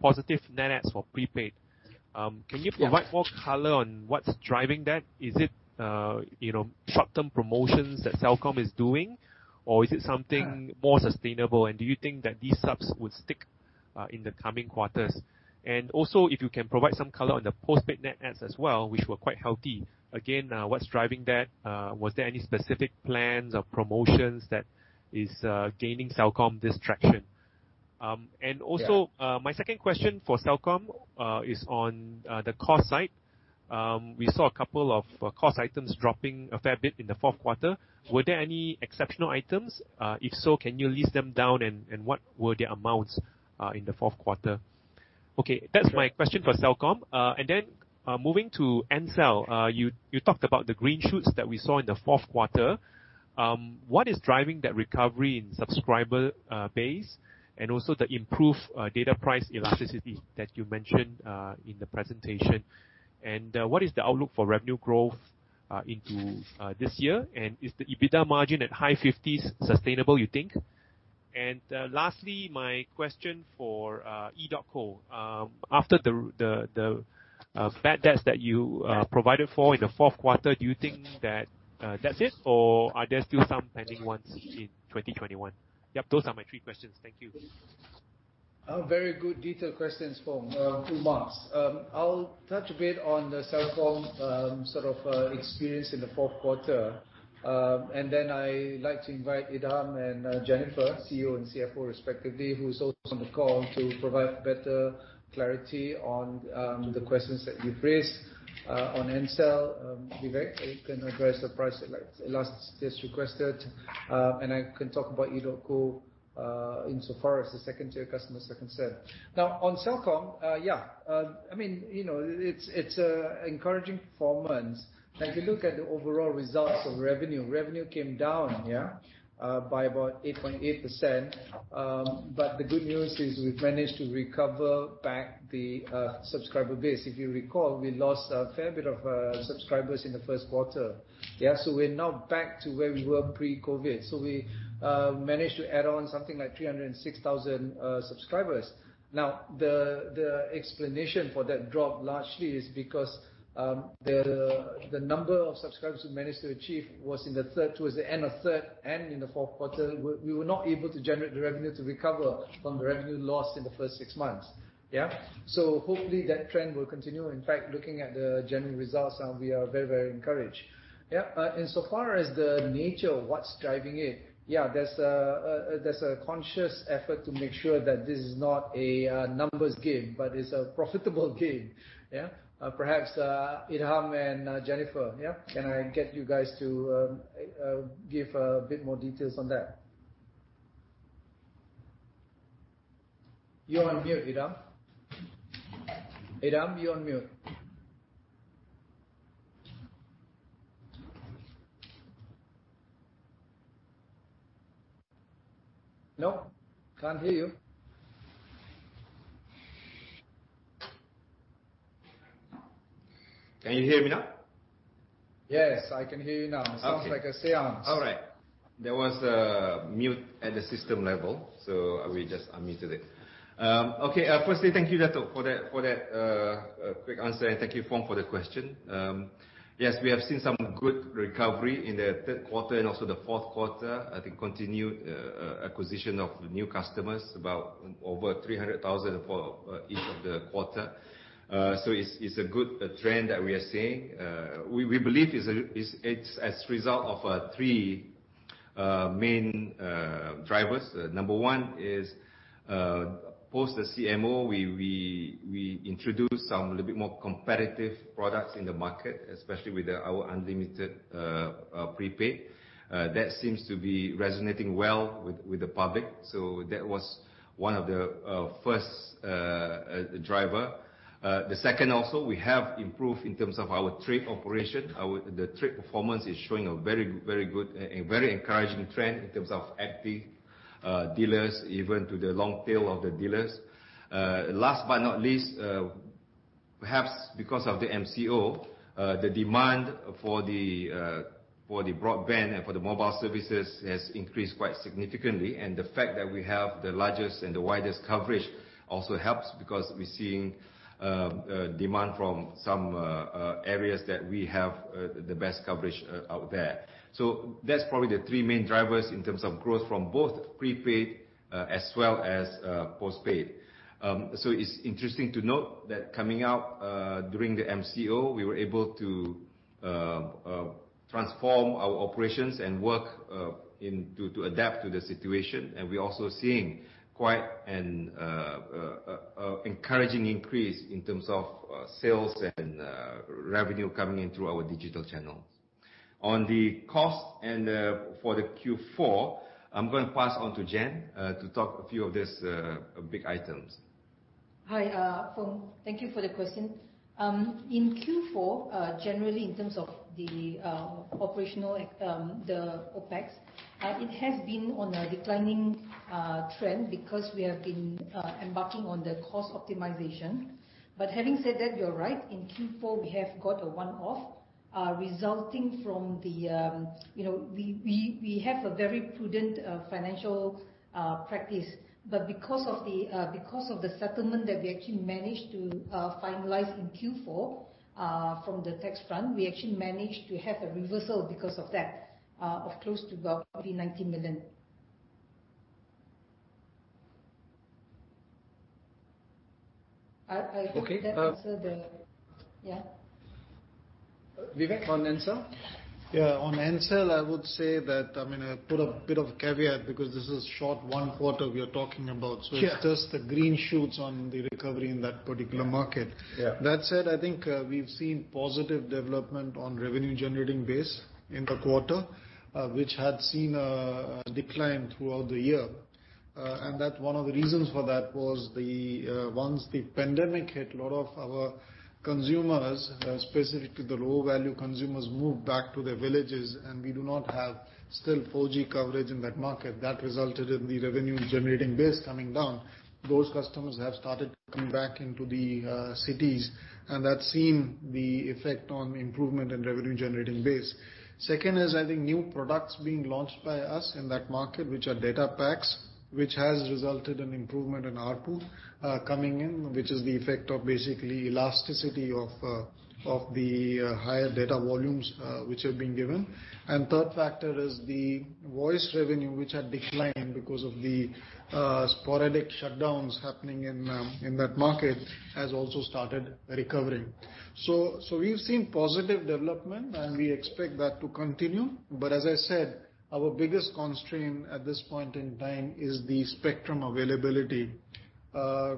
positive net adds for prepaid. Yes. Can you provide more color on what's driving that? Is it short-term promotions that Celcom is doing, or is it something more sustainable? Do you think that these subs would stick in the coming quarters? Also if you can provide some color on the postpaid net adds as well, which were quite healthy. Again, what's driving that? Was there any specific plans or promotions that is gaining Celcom this traction? Yeah. Also, my second question for Celcom is on the cost side. We saw a couple of cost items dropping a fair bit in the fourth quarter. Were there any exceptional items? If so, can you list them down, and what were the amounts in the fourth quarter? Okay. Sure. That's my question for Celcom. Moving to Ncell. You talked about the green shoots that we saw in the Q4. What is driving that recovery in subscriber base and also the improved data price elasticity that you mentioned in the presentation? What is the outlook for revenue growth into this year? Is the EBITDA margin at high 50s sustainable, you think? Lastly, my question for edotco. After the bad debts that you provided for in the fourth quarter, do you think that that's it, or are there still some pending ones in 2021? Yep. Those are my three questions. Thank you. Very good detailed questions, Fong. Two marks. I'll touch a bit on the Celcom experience in theQ4, and then I'd like to invite Idham and Jennifer, CEO and CFO respectively, who's also on the call, to provide better clarity on the questions that you've raised. On Ncell, Vivek can address the price elasticity as requested. I can talk about edotco insofar as the second-tier customers are concerned. Now, on Celcom, it's a encouraging performance. If you look at the overall results of revenue came down by about 8.8%. The good news is we've managed to recover back the subscriber base. If you recall, we lost a fair bit of subscribers in the Q1. Yeah. We're now back to where we were pre-COVID. We managed to add on something like 306,000 subscribers. Now, the explanation for that drop largely is because the number of subscribers we managed to achieve was towards the end of Q3 and in the Q4, we were not able to generate the revenue to recover from the revenue loss in the first six months. Hopefully that trend will continue. In fact, looking at the general results, we are very encouraged. Insofar as the nature of what's driving it, there's a conscious effort to make sure that this is not a numbers game, but it's a profitable game. Perhaps Idham and Jennifer, can I get you guys to give a bit more details on that? You're on mute, Idham. Idham, you're on mute. No, can't hear you. Can you hear me now? Yes, I can hear you now. Okay. Sounds like a séance. All right. There was a mute at the system level, so we just unmuted it. Firstly, thank you, Dato', for that quick answer, and thank you, Fong, for the question. We have seen some good recovery in the Q3 and also the Q4. I think continued acquisition of new customers, about over 300,000 for each of the quarter. It's a good trend that we are seeing. We believe it's as result of three main drivers. Number one is, post the MCO, we introduced some little bit more competitive products in the market, especially with our unlimited prepaid. That seems to be resonating well with the public, that was one of the first driver. The second also, we have improved in terms of our trade operation. The trade performance is showing a very good and very encouraging trend in terms of active dealers, even to the long tail of the dealers. Last but not least, perhaps because of the MCO, the demand for the broadband and for the mobile services has increased quite significantly. The fact that we have the largest and the widest coverage also helps because we're seeing demand from some areas that we have the best coverage out there. That's probably the three main drivers in terms of growth from both prepaid, as well as postpaid. It's interesting to note that coming out, during the MCO, we were able to transform our operations and work to adapt to the situation. We're also seeing quite an encouraging increase in terms of sales and revenue coming in through our digital channels. On the cost and for the Q4, I'm going to pass on to Jen, to talk a few of these big items. Hi, Fong. Thank you for the question. In Q4, generally in terms of the operational, the OpEx, it has been on a declining trend because we have been embarking on the cost optimization. Having said that, you're right. In Q4, we have got a one-off. We have a very prudent financial practice. Because of the settlement that we actually managed to finalize in Q4 from the tax front, we actually managed to have a reversal because of that, of close to roughly 90 million. I think that answered the- Okay. Yeah. Vivek, on Ncell? Yeah. On Ncell, I would say that, I'm going to put a bit of caveat because this is short Q1 we are talking about. Yeah. It's just the green shoots on the recovery in that particular market. Yeah. That said, I think we've seen positive development on revenue-generating base in the quarter, which had seen a decline throughout the year. That one of the reasons for that was once the pandemic hit, a lot of our consumers, specific to the low-value consumers, moved back to their villages, and we do not have still 4G coverage in that market. That resulted in the revenue-generating base coming down. Those customers have started to come back into the cities, and that's seen the effect on improvement in revenue-generating base. Second is, I think new products being launched by us in that market, which are data packs, which has resulted in improvement in ARPU, coming in, which is the effect of basically elasticity of the higher data volumes, which have been given. Third factor is the voice revenue, which had declined because of the sporadic shutdowns happening in that market, has also started recovering. We've seen positive development, and we expect that to continue. As I said, our biggest constraint at this point in time is the spectrum availability.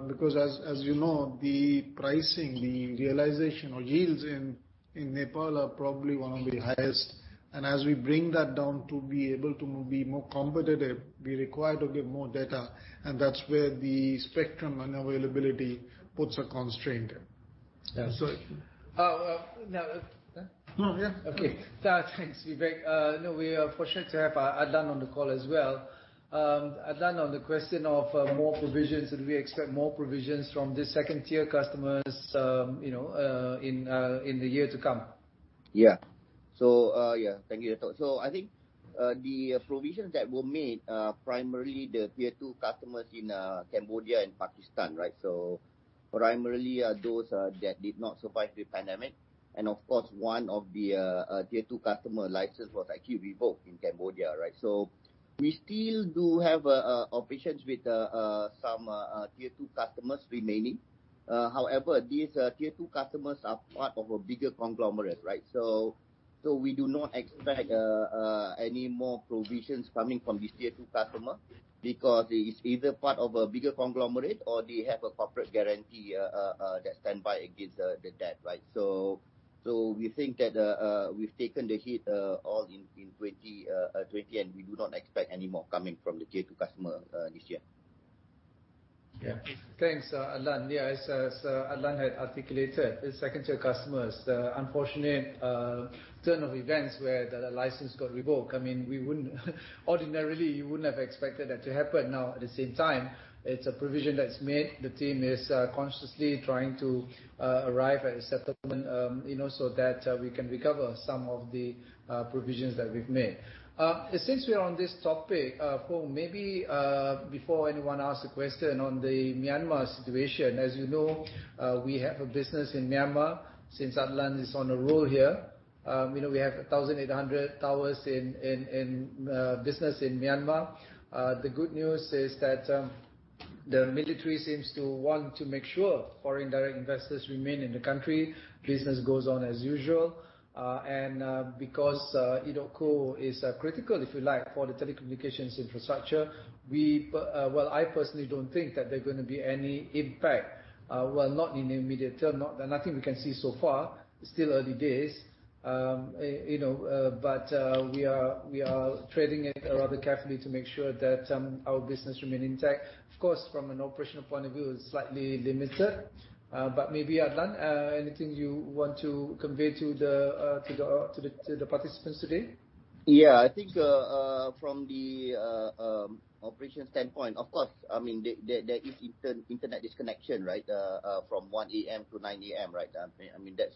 Because as you know, the pricing, the realization or yields in Nepal are probably one of the highest. As we bring that down to be able to be more competitive, we require to give more data, and that's where the spectrum unavailability puts a constraint in. Yeah. Sorry. Oh, well, no. No, yeah. Okay. Thanks, Vivek. No, we are fortunate to have Adlan on the call as well. Adlan, on the question of more provisions, did we expect more provisions from the second-tier customers in the year to come? Thank you, Dato'. I think the provisions that were made are primarily the tier two customers in Cambodia and Pakistan. Primarily are those that did not survive the pandemic, and of course, one of the tier two customer licenses was actually revoked in Cambodia. We still do have operations with some tier two customers remaining. However, these tier two customers are part of a bigger conglomerate. We do not expect any more provisions coming from this tier two customer because it is either part of a bigger conglomerate or they have a corporate guarantee that stands by against the debt. We think that we've taken the hit all in 2020, and we do not expect any more coming from the tier two customer this year. Yeah. Thanks, Adlan. As Adlan had articulated, the second-tier customers, the unfortunate turn of events where the license got revoked. Ordinarily, you wouldn't have expected that to happen. Now, at the same time, it's a provision that's made. The team is consciously trying to arrive at a settlement so that we can recover some of the provisions that we've made. Since we're on this topic, Fong, maybe before anyone asks a question on the Myanmar situation, as you know, we have a business in Myanmar. Since Adlan is on a roll here, we have 1,800 towers in business in Myanmar. The good news is that the military seems to want to make sure foreign direct investors remain in the country. Business goes on as usual. Because edotco is critical, if you like, for the telecommunications infrastructure, I personally don't think that there's going to be any impact. Well, not in the immediate term, nothing we can see so far. It's still early days. We are treading it rather carefully to make sure that our business remains intact. Of course, from an operational point of view, it's slightly limited. Maybe, Adlan, anything you want to convey to the participants today? Yeah. I think from the operation standpoint, of course, there is internet disconnection from 1:00 A.M. to 9:00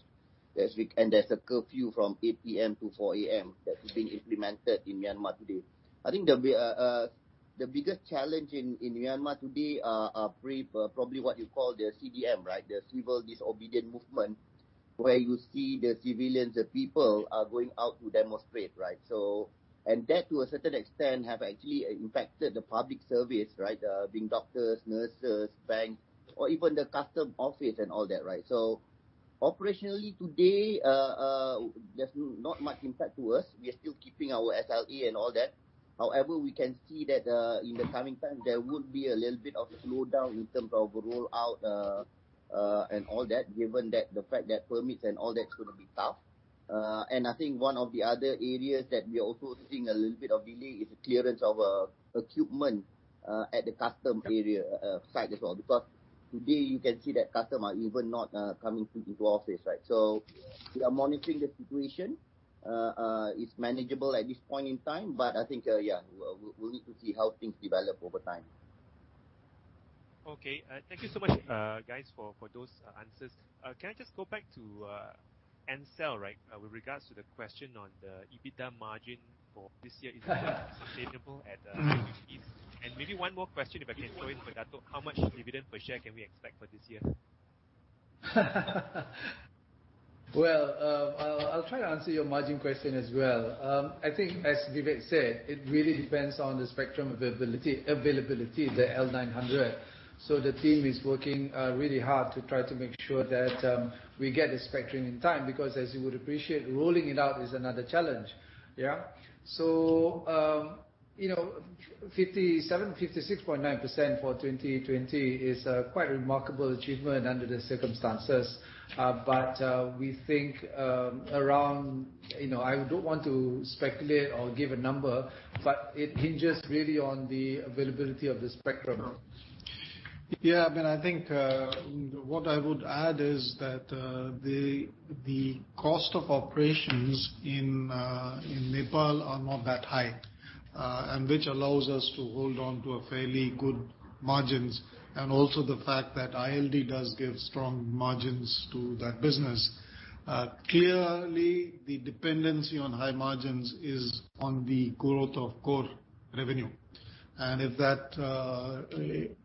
A.M. There's a curfew from 8:00 P.M. - 4:00 A.M. that's been implemented in Myanmar today. I think the biggest challenge in Myanmar today are probably what you call the CDM. The Civil Disobedience Movement, where you see the civilians, the people are going out to demonstrate. That, to a certain extent, have actually impacted the public service. Being doctors, nurses, banks, or even the custom office and all that. Operationally today, there's not much impact to us. We are still keeping our SLA and all that. However, we can see that in the coming time, there would be a little bit of slowdown in terms of rollout, and all that, given the fact that permits and all that is going to be tough. I think one of the other areas that we are also seeing a little bit of delay is the clearance of equipment at the Customs site as well. Today you can see that Customs are even not coming into office. We are monitoring the situation. It's manageable at this point in time, but I think, yeah, we'll need to see how things develop over time. Okay. Thank you so much guys for those answers. Can I just go back to Ncell with regards to the question on the EBITDA margin for this year, is it sustainable at 80 basis points? Maybe one more question, if I can throw in for Dato'. How much dividend per share can we expect for this year? Well, I'll try to answer your margin question as well. I think as Vivek said, it really depends on the spectrum availability, the L900. The team is working really hard to try to make sure that we get the spectrum in time, because as you would appreciate, rolling it out is another challenge. Yeah. 56.9% for 2020 is a quite remarkable achievement under the circumstances. We think around, I don't want to speculate or give a number, but it hinges really on the availability of the spectrum. I think what I would add is that the cost of operations in Nepal are not that high, which allows us to hold on to a fairly good margins. Also the fact that ILD does give strong margins to that business. Clearly, the dependency on high margins is on the growth of core revenue. If that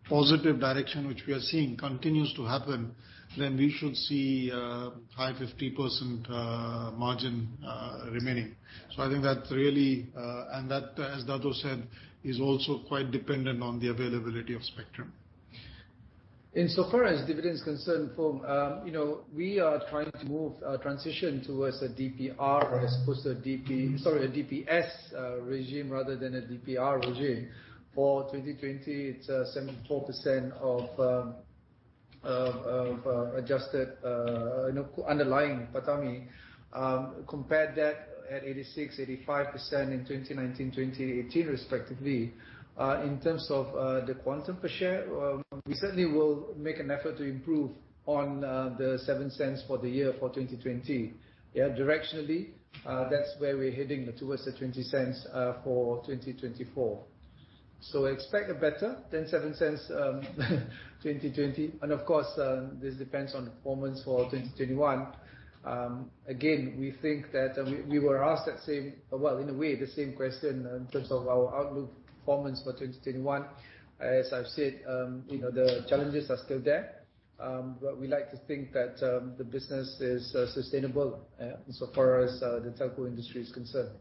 positive direction which we are seeing continues to happen, then we should see a high 50% margin remaining. I think that really, and that, as Dato said, is also quite dependent on the availability of spectrum. Insofar as dividend is concerned, Fong, we are trying to transition towards a DPS regime rather than a DPR regime. For 2020, it's 74% of adjusted underlying PATAMI. Compare that at 86%, 85% in 2019, 2018 respectively. In terms of the quantum per share, we certainly will make an effort to improve on the 0.07 for the year for 2020. Directionally, that's where we're heading, towards the 0.20 for 2024. Expect a better than 0.07 2020, and of course, this depends on performance for 2021. Again, we were asked, well, in a way, the same question in terms of our outlook performance for 2021. As I've said, the challenges are still there. We like to think that the business is sustainable so far as the telco industry is concerned.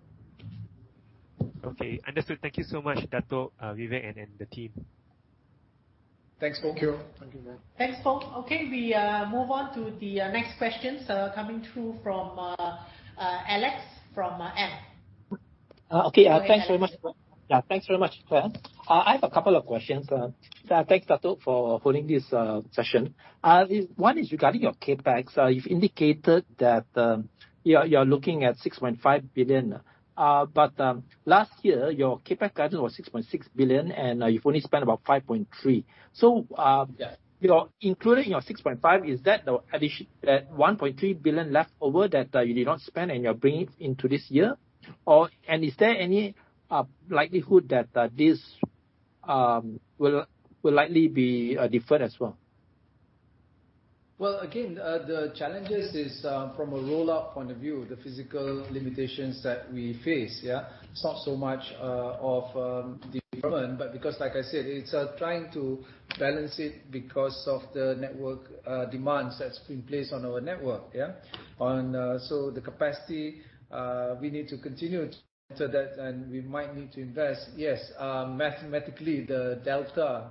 Okay, understood. Thank you so much, Dato', Vivek, and the team. Thanks, Fong. Thank you. Thank you, ma'am. Thanks, Fong. Okay, we move on to the next questions, coming through from Alex from AM. Okay. Thanks very much. I have a couple of questions. Thanks, Dato', for holding this session. One is regarding your CapEx. You've indicated that you're looking at 6.5 billion. Last year, your CapEx guidance was 6.6 billion, and you've only spent about 5.3 billion. Including your 6.5 billion, is that the 1.3 billion left over that you did not spend and you're bringing it into this year? Is there any likelihood that this will likely be deferred as well? Again, the challenges is from a rollout point of view, the physical limitations that we face. It's not so much of deferment, but because like I said, it's trying to balance it because of the network demands that's been placed on our network. The capacity, we need to continue to monitor that, and we might need to invest. Yes, mathematically, the delta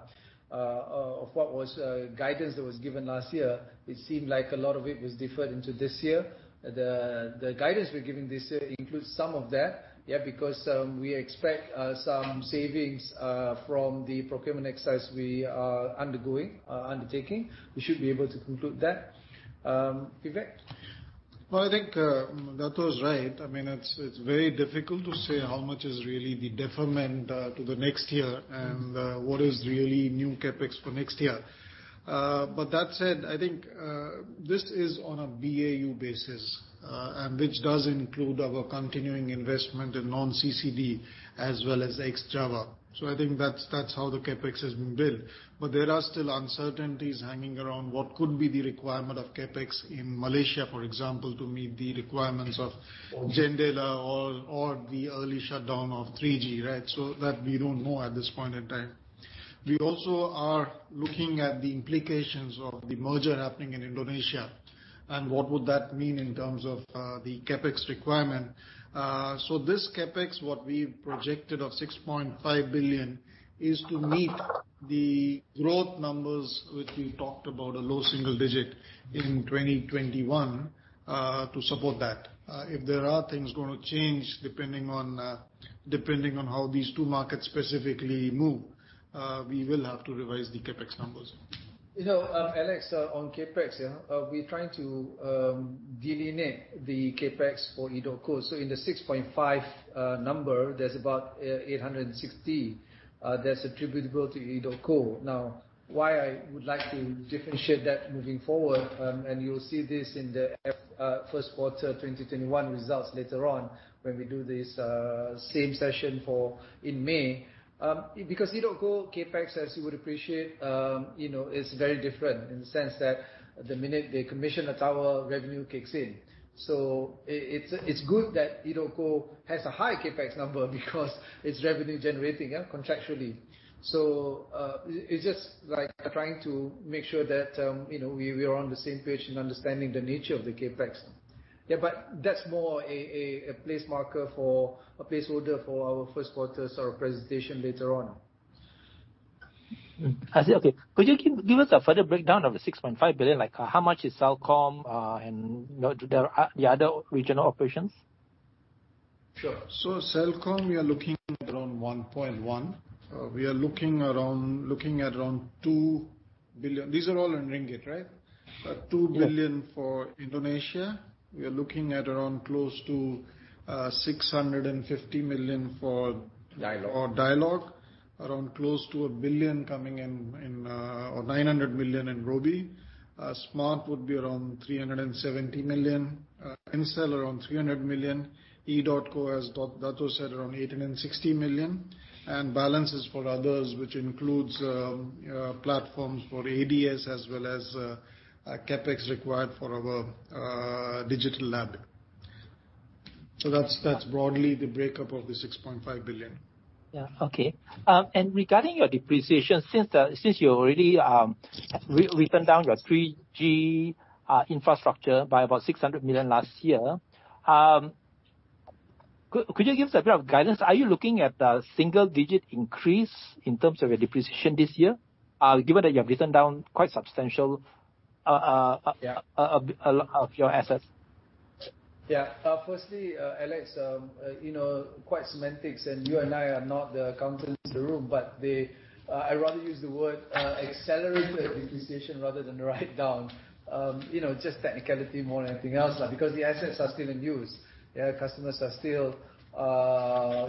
of what was guidance that was given last year, it seemed like a lot of it was deferred into this year. The guidance we're giving this year includes some of that, because we expect some savings from the procurement exercise we are undertaking. We should be able to conclude that. Vivek? Well, I think Dato' is right. It's very difficult to say how much is really the deferment to the next year and what is really new CapEx for next year. That said, I think, this is on a BAU basis, and which does include our continuing investment in non-CCD as well as ex Java. I think that's how the CapEx has been built. There are still uncertainties hanging around what could be the requirement of CapEx in Malaysia, for example, to meet the requirements of JENDELA or the early shutdown of 3G. That we don't know at this point in time. We also are looking at the implications of the merger happening in Indonesia and what would that mean in terms of the CapEx requirement. This CapEx, what we've projected of 6.5 billion, is to meet the growth numbers, which we talked about, a low single digit in 2021, to support that. If there are things going to change depending on how these two markets specifically move, we will have to revise the CapEx numbers. Alex, on CapEx, we're trying to delineate the CapEx for edotco. In the 6.5 number, there's about 860 that's attributable to edotco. Why I would like to differentiate that moving forward, and you'll see this in the first quarter 2021 results later on when we do this same session in May. edotco CapEx, as you would appreciate, is very different in the sense that the minute they commission a tower, revenue kicks in. It's good that edotco has a high CapEx number because it's revenue generating contractually. It's just trying to make sure that we are on the same page in understanding the nature of the CapEx. That's more a placeholder for our Q1 presentation later on. I see. Okay. Could you give us a further breakdown of the 6.5 billion? Like how much is Celcom, and the other regional operations? Sure. Celcom, we are looking at around 1.1. We are looking at around 2 billion. These are all in MYR, right? 2 billion for Indonesia. We are looking at around close to 650 million for. Dialog Dialog. Around close to 1 billion or 900 million in Robi. Smart would be around 370 million. Ncell around 300 million. edotco, as Dato' said, around 860 million. Balance is for others, which includes platforms for ADS as well as CapEx required for our digital lab. That's broadly the breakup of the 6.5 billion. Okay. Regarding your depreciation, since you already written down your 3G infrastructure by about 600 million last year, could you give us a bit of guidance? Are you looking at a single-digit increase in terms of your depreciation this year, given that you have written down quite substantial of your assets? Yeah. Firstly, Alex, quite semantics, and you and I are not the accountants in the room, but I'd rather use the word accelerated depreciation rather than write down. Just technicality more than anything else, because the assets are still in use. Yeah, customers are still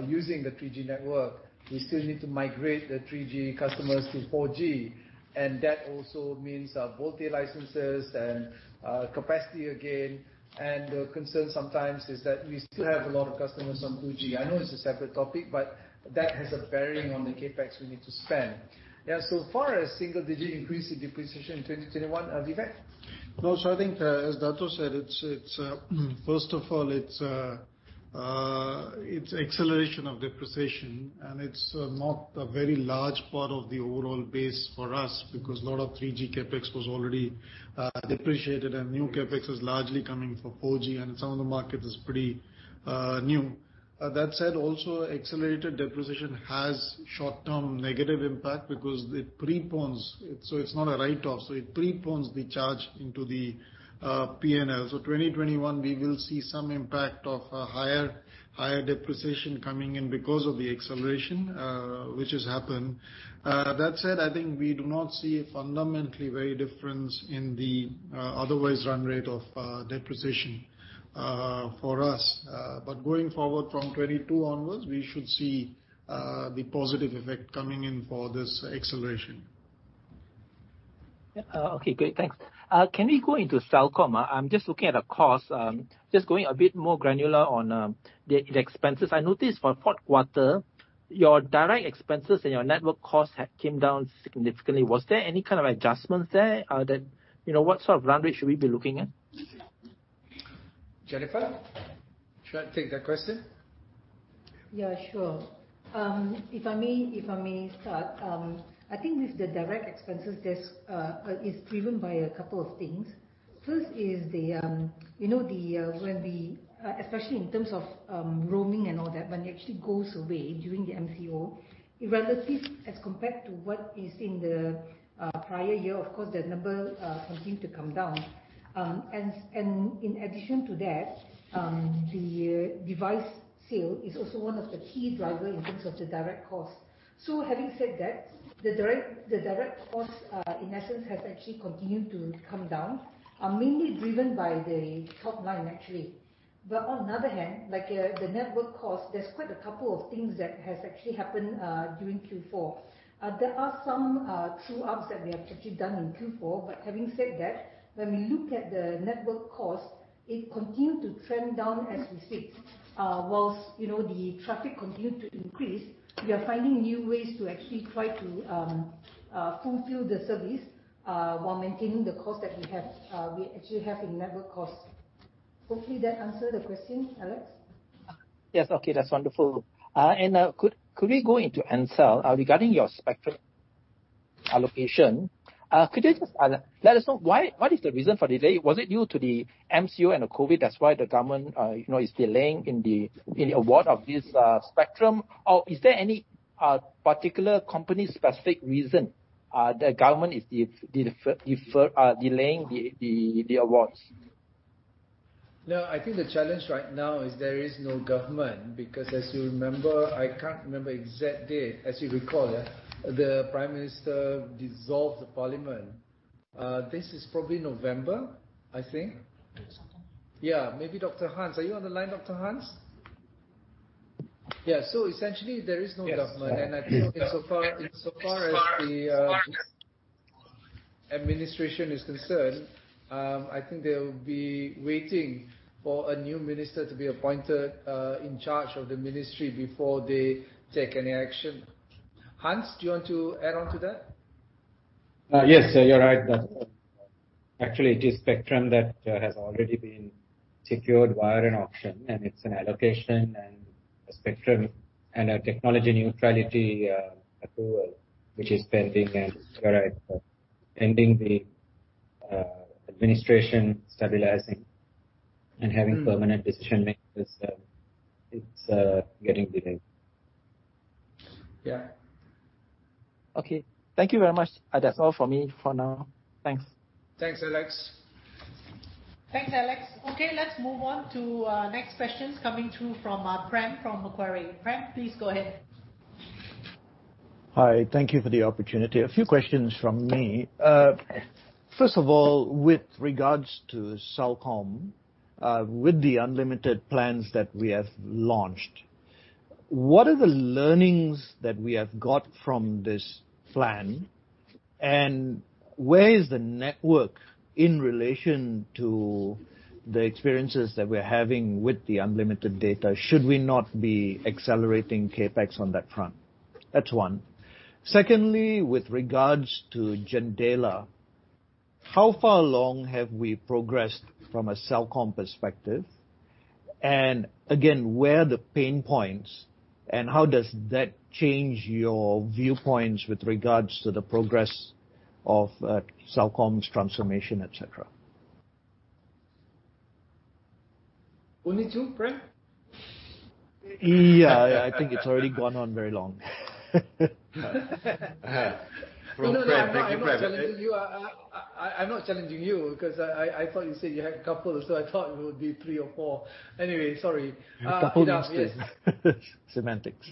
using the 3G network. We still need to migrate the 3G customers to 4G, and that also means VoLTE licenses and capacity again. The concern sometimes is that we still have a lot of customers on 2G. I know it's a separate topic, but that has a bearing on the CapEx we need to spend. Yeah. So far, a single-digit increase in depreciation in 2021. Vivek? No. I think, as Dato' said, first of all, it's acceleration of depreciation, and it's not a very large part of the overall base for us because a lot of 3G CapEx was already depreciated and new CapEx is largely coming for 4G, and some of the market is pretty new. That said, also, accelerated depreciation has short-term negative impact because it pre-pones. It's not a write-off. It pre-pones the charge into the P&L. 2021, we will see some impact of a higher depreciation coming in because of the acceleration, which has happened. That said, I think we do not see a fundamentally very difference in the otherwise run rate of depreciation for us. Going forward from 2022 onwards, we should see the positive effect coming in for this acceleration. Okay, great. Thanks. Can we go into Celcom? I'm just looking at the cost. Just going a bit more granular on the expenses. I noticed for Q4, your direct expenses and your network costs had came down significantly. Was there any kind of adjustments there? What sort of run rate should we be looking at? Jennifer, should I take that question? Yeah, sure. If I may start. I think with the direct expenses, it is driven by a couple of things. First is, especially in terms of roaming and all that, money actually goes away during the MCO. Irrelative as compared to what is in the prior year, of course, the number continue to come down. In addition to that, the device sale is also one of the key driver in terms of the direct cost. Having said that, the direct cost, in essence, has actually continued to come down, mainly driven by the top line, actually. On the other hand, the network cost, there is quite a couple of things that has actually happened during Q4. There are some true ups that we have actually done in Q4. Having said that, when we look at the network cost, it continued to trend down as we speak. Whilst the traffic continued to increase, we are finding new ways to actually try to fulfill the service while maintaining the cost that we actually have in network cost. Hopefully that answer the question, Alex. Yes. Okay, that's wonderful. Could we go into Ncell regarding your spectrum allocation? Could you just let us know why, what is the reason for the delay? Was it due to the MCO and the COVID, that's why the government is delaying in the award of this spectrum? Is there any particular company-specific reason the government is delaying the awards? No, I think the challenge right now is there is no government, because as you remember, I can't remember exact date. As you recall, yeah, the prime minister dissolved the parliament. This is probably November, I think. I think so. Yeah. Maybe Dr. Hans. Are you on the line, Dr. Hans? Yeah. Essentially, there is no government. Yes. I think insofar as the administration is concerned, I think they'll be waiting for a new minister to be appointed, in charge of the ministry before they take any action. Hans, do you want to add on to that? Yes. You're right, Dato'. Actually, it is spectrum that has already been secured via an auction, and it's an allocation and a spectrum and a technology neutrality approval, which is pending and, you're right, pending the administration stabilizing and having permanent decision-making, it's getting delayed. Yeah. Okay. Thank you very much. That's all for me for now. Thanks. Thanks, Alex. Thanks, Alex. Okay, let's move on to next questions coming through from Prem from Macquarie. Prem, please go ahead. Hi. Thank you for the opportunity. A few questions from me. First of all, with regards to Celcom, with the unlimited plans that we have launched, what are the learnings that we have got from this plan? Where is the network in relation to the experiences that we're having with the unlimited data? Should we not be accelerating CapEx on that front? That's one. Secondly, with regards to JENDELA, how far along have we progressed from a Celcom perspective? Again, where are the pain points, and how does that change your viewpoints with regards to the progress of Celcom's transformation, et cetera? Only two, Prem? Yeah, I think it's already gone on very long. From Prem. No, I'm not challenging you. I'm not challenging you because I thought you said you had a couple, so I thought it would be three or four. Anyway, sorry. A couple of mistakes. Semantics.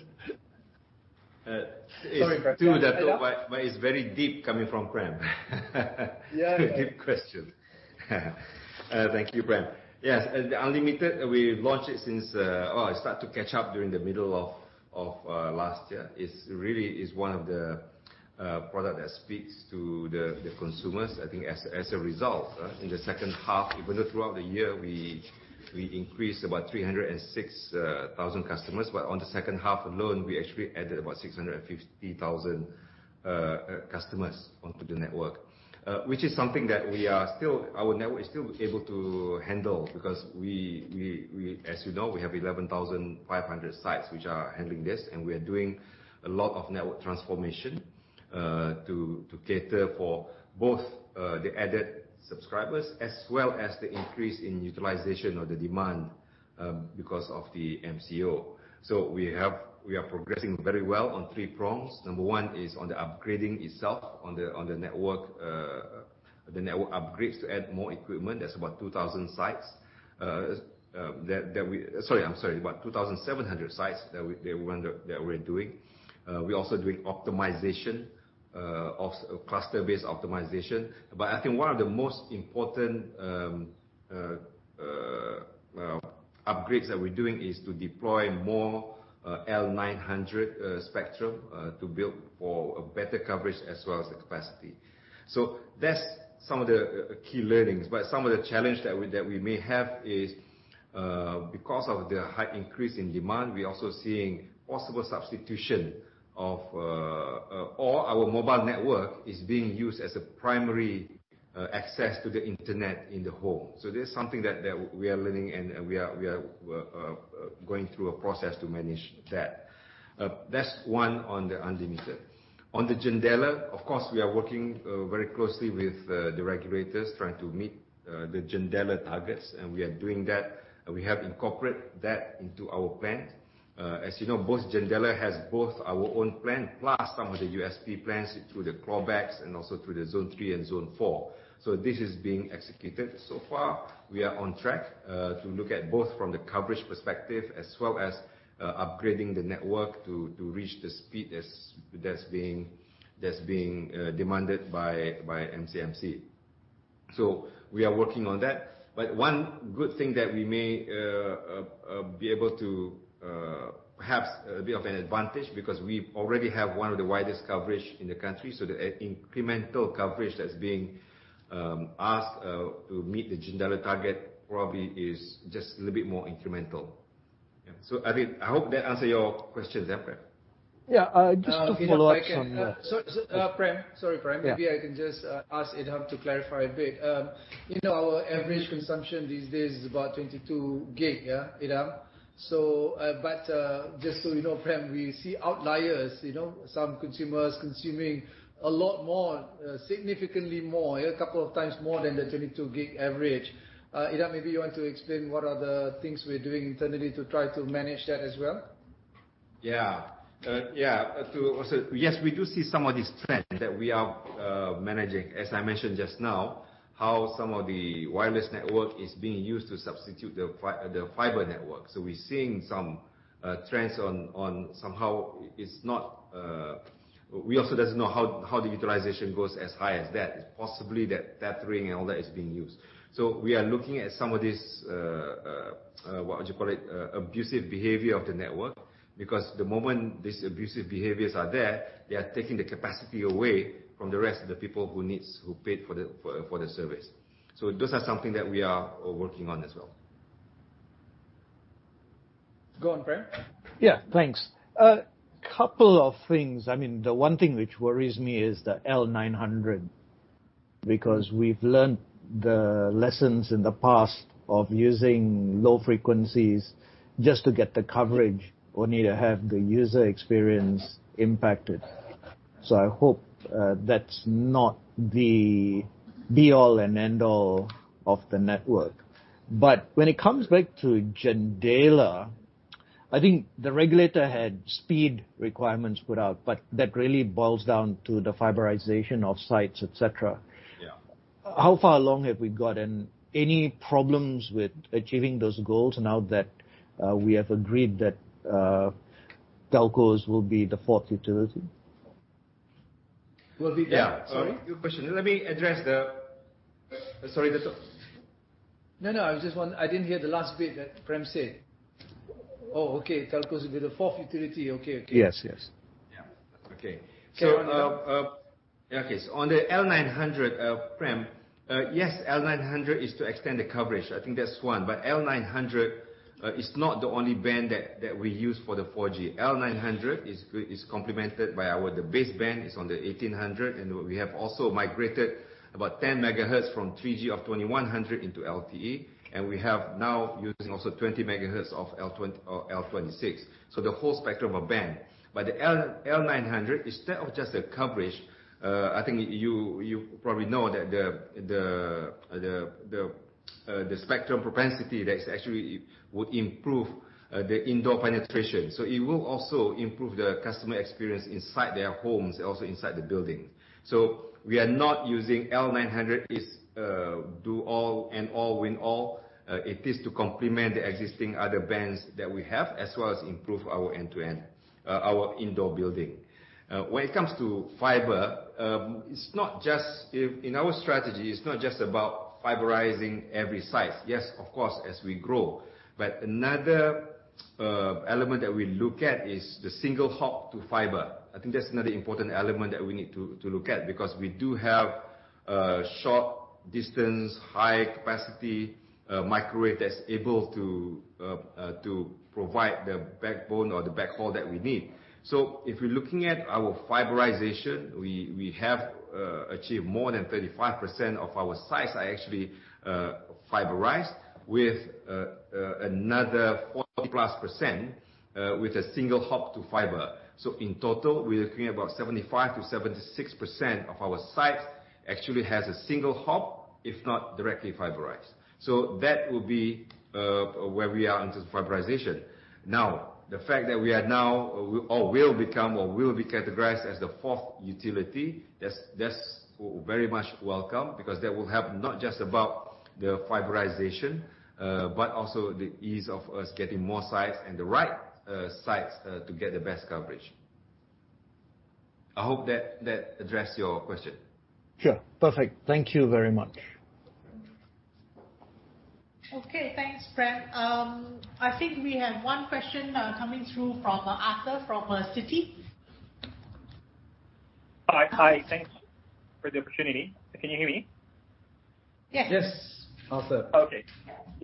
Sorry, Prem. It's true that, but it's very deep coming from Prem. Yeah. A deep question. Thank you, Prem. Yes. The unlimited, we launched it since it start to catch up during the middle of last year. It's really is one of the product that speaks to the consumers. I think as a result, in the second half, even though throughout the year we increased about 306,000 customers. On the second half alone, we actually added about 650,000 customers onto the network, which is something that our network is still able to handle because as you know, we have 11,500 sites which are handling this, and we are doing a lot of network transformation to cater for both the added subscribers as well as the increase in utilization or the demand because of the MCO. We are progressing very well on three prongs. Number one is on the upgrading itself on the network. The network upgrades to add more equipment, that's about 2,000 sites. I'm sorry, about 2,700 sites that we're doing. We're also doing optimization, cluster-based optimization. I think one of the most important upgrades that we're doing is to deploy more L900 spectrum to build for a better coverage as well as the capacity. That's some of the key learnings. Some of the challenge that we may have is, because of the high increase in demand, we're also seeing possible substitution of all our mobile network is being used as a primary access to the internet in the home. This is something that we are learning and we are going through a process to manage that. That's one on the unlimited. On the JENDELA, of course, we are working very closely with the regulators trying to meet the JENDELA targets, and we are doing that. We have incorporate that into our plan. As you know, both JENDELA has both our own plan plus some of the USP plans through the clawbacks and also through the Zone three and Zone four. This is being executed. So far, we are on track to look at both from the coverage perspective as well as upgrading the network to reach the speed that's being demanded by MCMC. We are working on that. One good thing that we may be able to have a bit of an advantage because we already have one of the widest coverage in the country. The incremental coverage that's being asked to meet the JENDELA target probably is just a little bit more incremental. Yeah. I hope that answer your question. Yeah, Prem? Yeah. Just to follow up from. If I can. Prem. Sorry, Prem. Yeah. Maybe I can just ask Idham to clarify a bit. Our average consumption these days is about 22 gig, yeah, Idham? Just so you know, Prem, we see outliers, some consumers consuming a lot more, significantly more, a couple of times more than the 22 gig average. Idham, maybe you want to explain what are the things we're doing internally to try to manage that as well. Yeah. Yes, we do see some of this trend that we are managing, as I mentioned just now, how some of the wireless network is being used to substitute the fiber network. We're seeing some trends on somehow We also don't know how the utilization goes as high as that. It's possibly that tethering and all that is being used. We are looking at some of this, what would you call it, abusive behavior of the network. The moment these abusive behaviors are there, they are taking the capacity away from the rest of the people who paid for the service. Those are something that we are working on as well. Go on, Prem. Yeah, thanks. Couple of things. The one thing which worries me is the L900, because we've learned the lessons in the past of using low frequencies just to get the coverage, only to have the user experience impacted. I hope that's not the be-all and end-all of the network. When it comes back to JENDELA, I think the regulator had speed requirements put out, but that really boils down to the fiberization of sites, et cetera. Yeah. How far along have we got, and any problems with achieving those goals now that we have agreed that telcos will be the fourth utility? Well, the- Yeah. Sorry? Good question. Let me address the. No, I didn't hear the last bit that Prem said. Oh, okay. Telcos will be the fourth utility. Okay. Yes. On the L900, Prem, yes, L900 is to extend the coverage. I think that's one. L900 is not the only band that we use for the 4G. L900 is complemented by the base band is on the 1800, and we have also migrated about 10 megahertz from 3G of 2100 into LTE, and we have now using also 20 megahertz of L2600. The whole spectrum of band. The L900, instead of just the coverage, I think you probably know that the spectrum propensity that actually would improve the indoor penetration. It will also improve the customer experience inside their homes, and also inside the building. We are not using L900 as do all and all win all. It is to complement the existing other bands that we have, as well as improve our end-to-end, our indoor building. When it comes to fiber, in our strategy, it's not just about fiberizing every site. Yes, of course, as we grow. Another element that we look at is the single hop to fiber. I think that's another important element that we need to look at because we do have short distance, high capacity microwave that's able to provide the backbone or the backhaul that we need. If we're looking at our fiberization, we have achieved more than 35% of our sites are actually fiberized with another 40-plus% with a single hop to fiber. In total, we're looking at about 75%-76% of our sites actually has a single hop, if not directly fiberized. That will be where we are in terms of fiberization. The fact that we are now or will become or will be categorized as the fourth utility, that's very much welcome because that will help not just about the fiberization, but also the ease of us getting more sites and the right sites to get the best coverage. I hope that addressed your question. Sure. Perfect. Thank you very much. Okay. Thanks, Prem. I think we have one question coming through from Arthur from Citi. Hi. Thanks for the opportunity. Can you hear me? Yes. Yes, Arthur. Okay.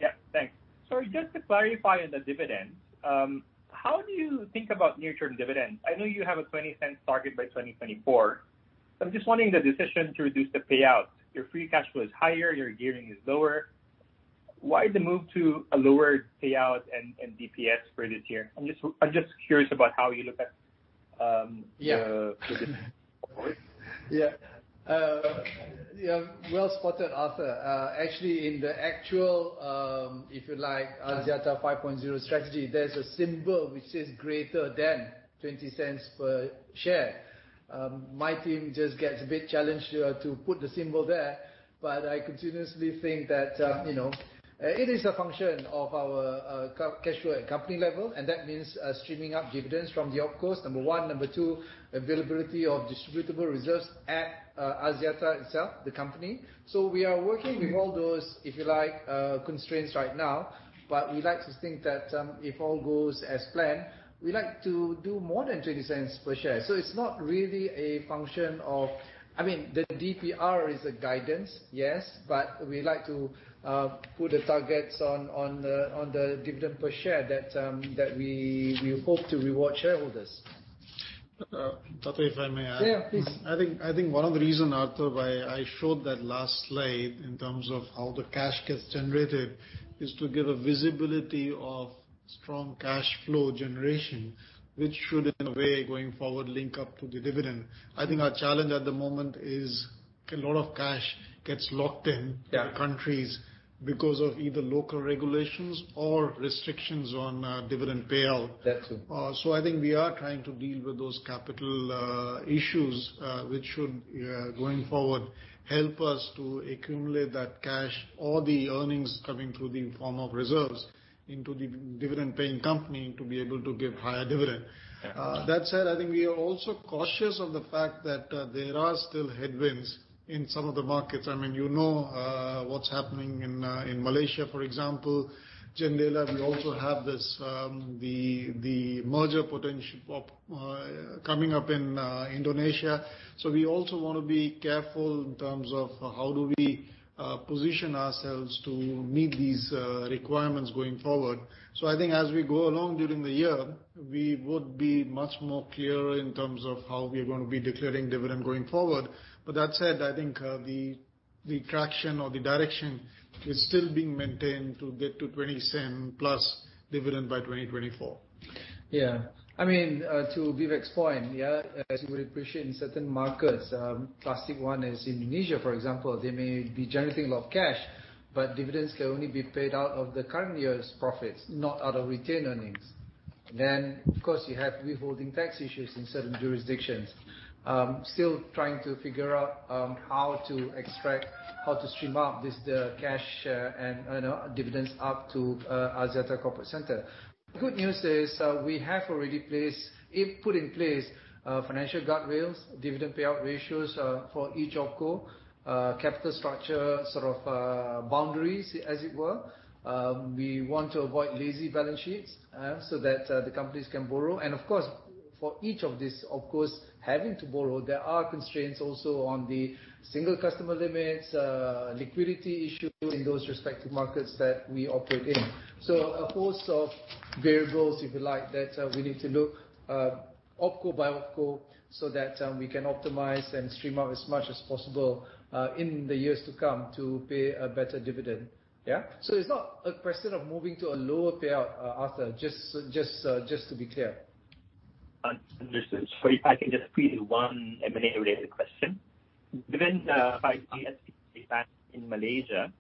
Yeah. Thanks. Sorry, just to clarify on the dividends, how do you think about near-term dividends? I know you have a 0.20 target by 2024. I'm just wondering the decision to reduce the payout. Your free cash flow is higher, your gearing is lower. Why the move to a lower payout and DPS for this year? Yeah the dividend. Well spotted, Arthur. Actually, in the actual, if you like, Axiata 5.0 strategy, there's a symbol which says greater than 0.20 per share. My team just gets a bit challenged to put the symbol there. I continuously think that it is a function of our cash flow at company level, and that means streaming up dividends from the OpCos, number one. Number two, availability of distributable reserves at Axiata itself, the company. We are working with all those, if you like, constraints right now. We like to think that, if all goes as planned, we like to do more than 0.20 per share. It's not really a function of The DPR is a guidance, yes. We like to put the targets on the dividend per share that we hope to reward shareholders. Arthur, if I may add. Yeah, please. I think one of the reason, Arthur, why I showed that last slide in terms of how the cash gets generated, is to give a visibility of strong cash flow generation, which should, in a way, going forward, link up to the dividend. I think our challenge at the moment is a lot of cash gets locked in. Yeah the countries because of either local regulations or restrictions on dividend payout. That's it. I think we are trying to deal with those capital issues, which should, going forward, help us to accumulate that cash or the earnings coming through the form of reserves into the dividend-paying company to be able to give higher dividend. Yeah. I think we are also cautious of the fact that there are still headwinds in some of the markets. You know what's happening in Malaysia, for example. JENDELA, we also have the merger potential coming up in Indonesia. We also want to be careful in terms of how do we position ourselves to meet these requirements going forward. I think as we go along during the year, we would be much more clear in terms of how we're going to be declaring dividend going forward. I think the traction or the direction is still being maintained to get to 0.20 plus dividend by 2024. To Vivek Sood's point, yeah, as you would appreciate, in certain markets, classic one is Indonesia, for example. Dividends can only be paid out of the current year's profits, not out of retained earnings. Of course, you have withholding tax issues in certain jurisdictions. Still trying to figure how to extract, how to stream up the cash and dividends up to Axiata corporate center. The good news is we have already put in place financial guardrails, dividend payout ratios for each OpCo, capital structure boundaries, as it were. We want to avoid lazy balance sheets so that the companies can borrow. Of course, for each of these OpCos having to borrow, there are constraints also on the single customer limits, liquidity issue in those respective markets that we operate in. A host of variables, if you like, that we need to look OpCo by OpCo so that we can optimize and stream out as much as possible in the years to come to pay a better dividend. Yeah. It's not a question of moving to a lower payout, Arthur, just to be clear. Understood. If I can just put in one M&A-related question. Given the 5G in Malaysia,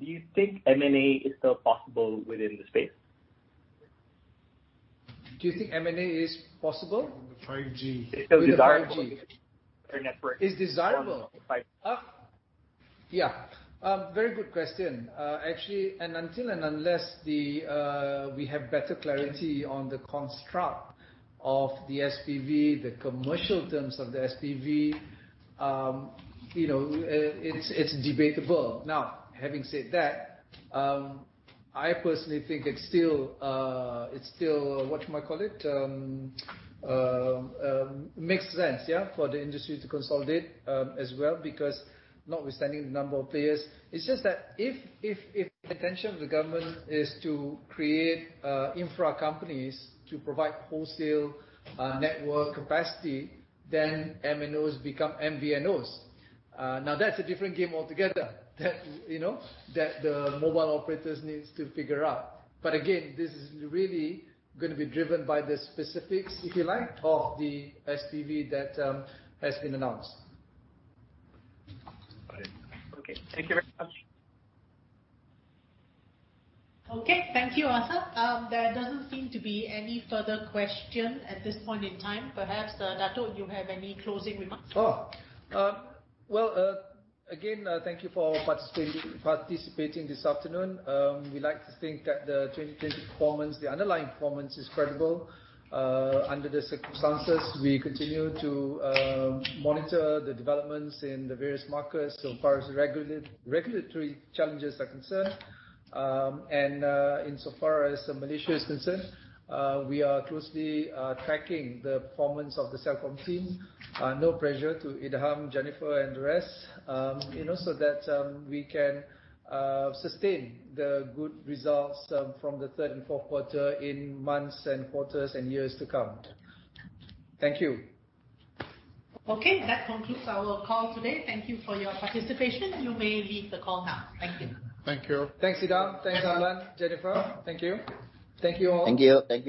do you think M&A is still possible within the space? Do you think M&A is possible? On the 5G. Is it desirable? Is desirable? 5G. Yeah. Very good question. Actually, until and unless we have better clarity on the construct of the SPV, the commercial terms of the SPV, it's debatable. Having said that, I personally think it still, what do I call it? Makes sense, yeah, for the industry to consolidate as well because notwithstanding the number of players. It's just that if the intention of the government is to create infra companies to provide wholesale network capacity, then MNOs become MVNOs. That's a different game altogether that the mobile operators need to figure out. Again, this is really going to be driven by the specifics, if you like, of the SPV that has been announced. Okay. Thank you very much. Okay. Thank you, Arthur. There doesn't seem to be any further question at this point in time. Perhaps, Dato', you have any closing remarks? Well, again, thank you for participating this afternoon. We like to think that the 2020 performance, the underlying performance, is credible under the circumstances. We continue to monitor the developments in the various markets so far as the regulatory challenges are concerned. Insofar as Malaysia is concerned, we are closely tracking the performance of the Celcom team. No pressure to Idham, Jennifer, and the rest, so that we can sustain the good results from the Q3 and Q4 in months and quarters and years to come. Thank you. Okay. That concludes our call today. Thank you for your participation. You may leave the call now. Thank you. Thank you. Thanks, Idham. Thanks, Adlan, Jennifer. Thank you. Thank you all. Thank you.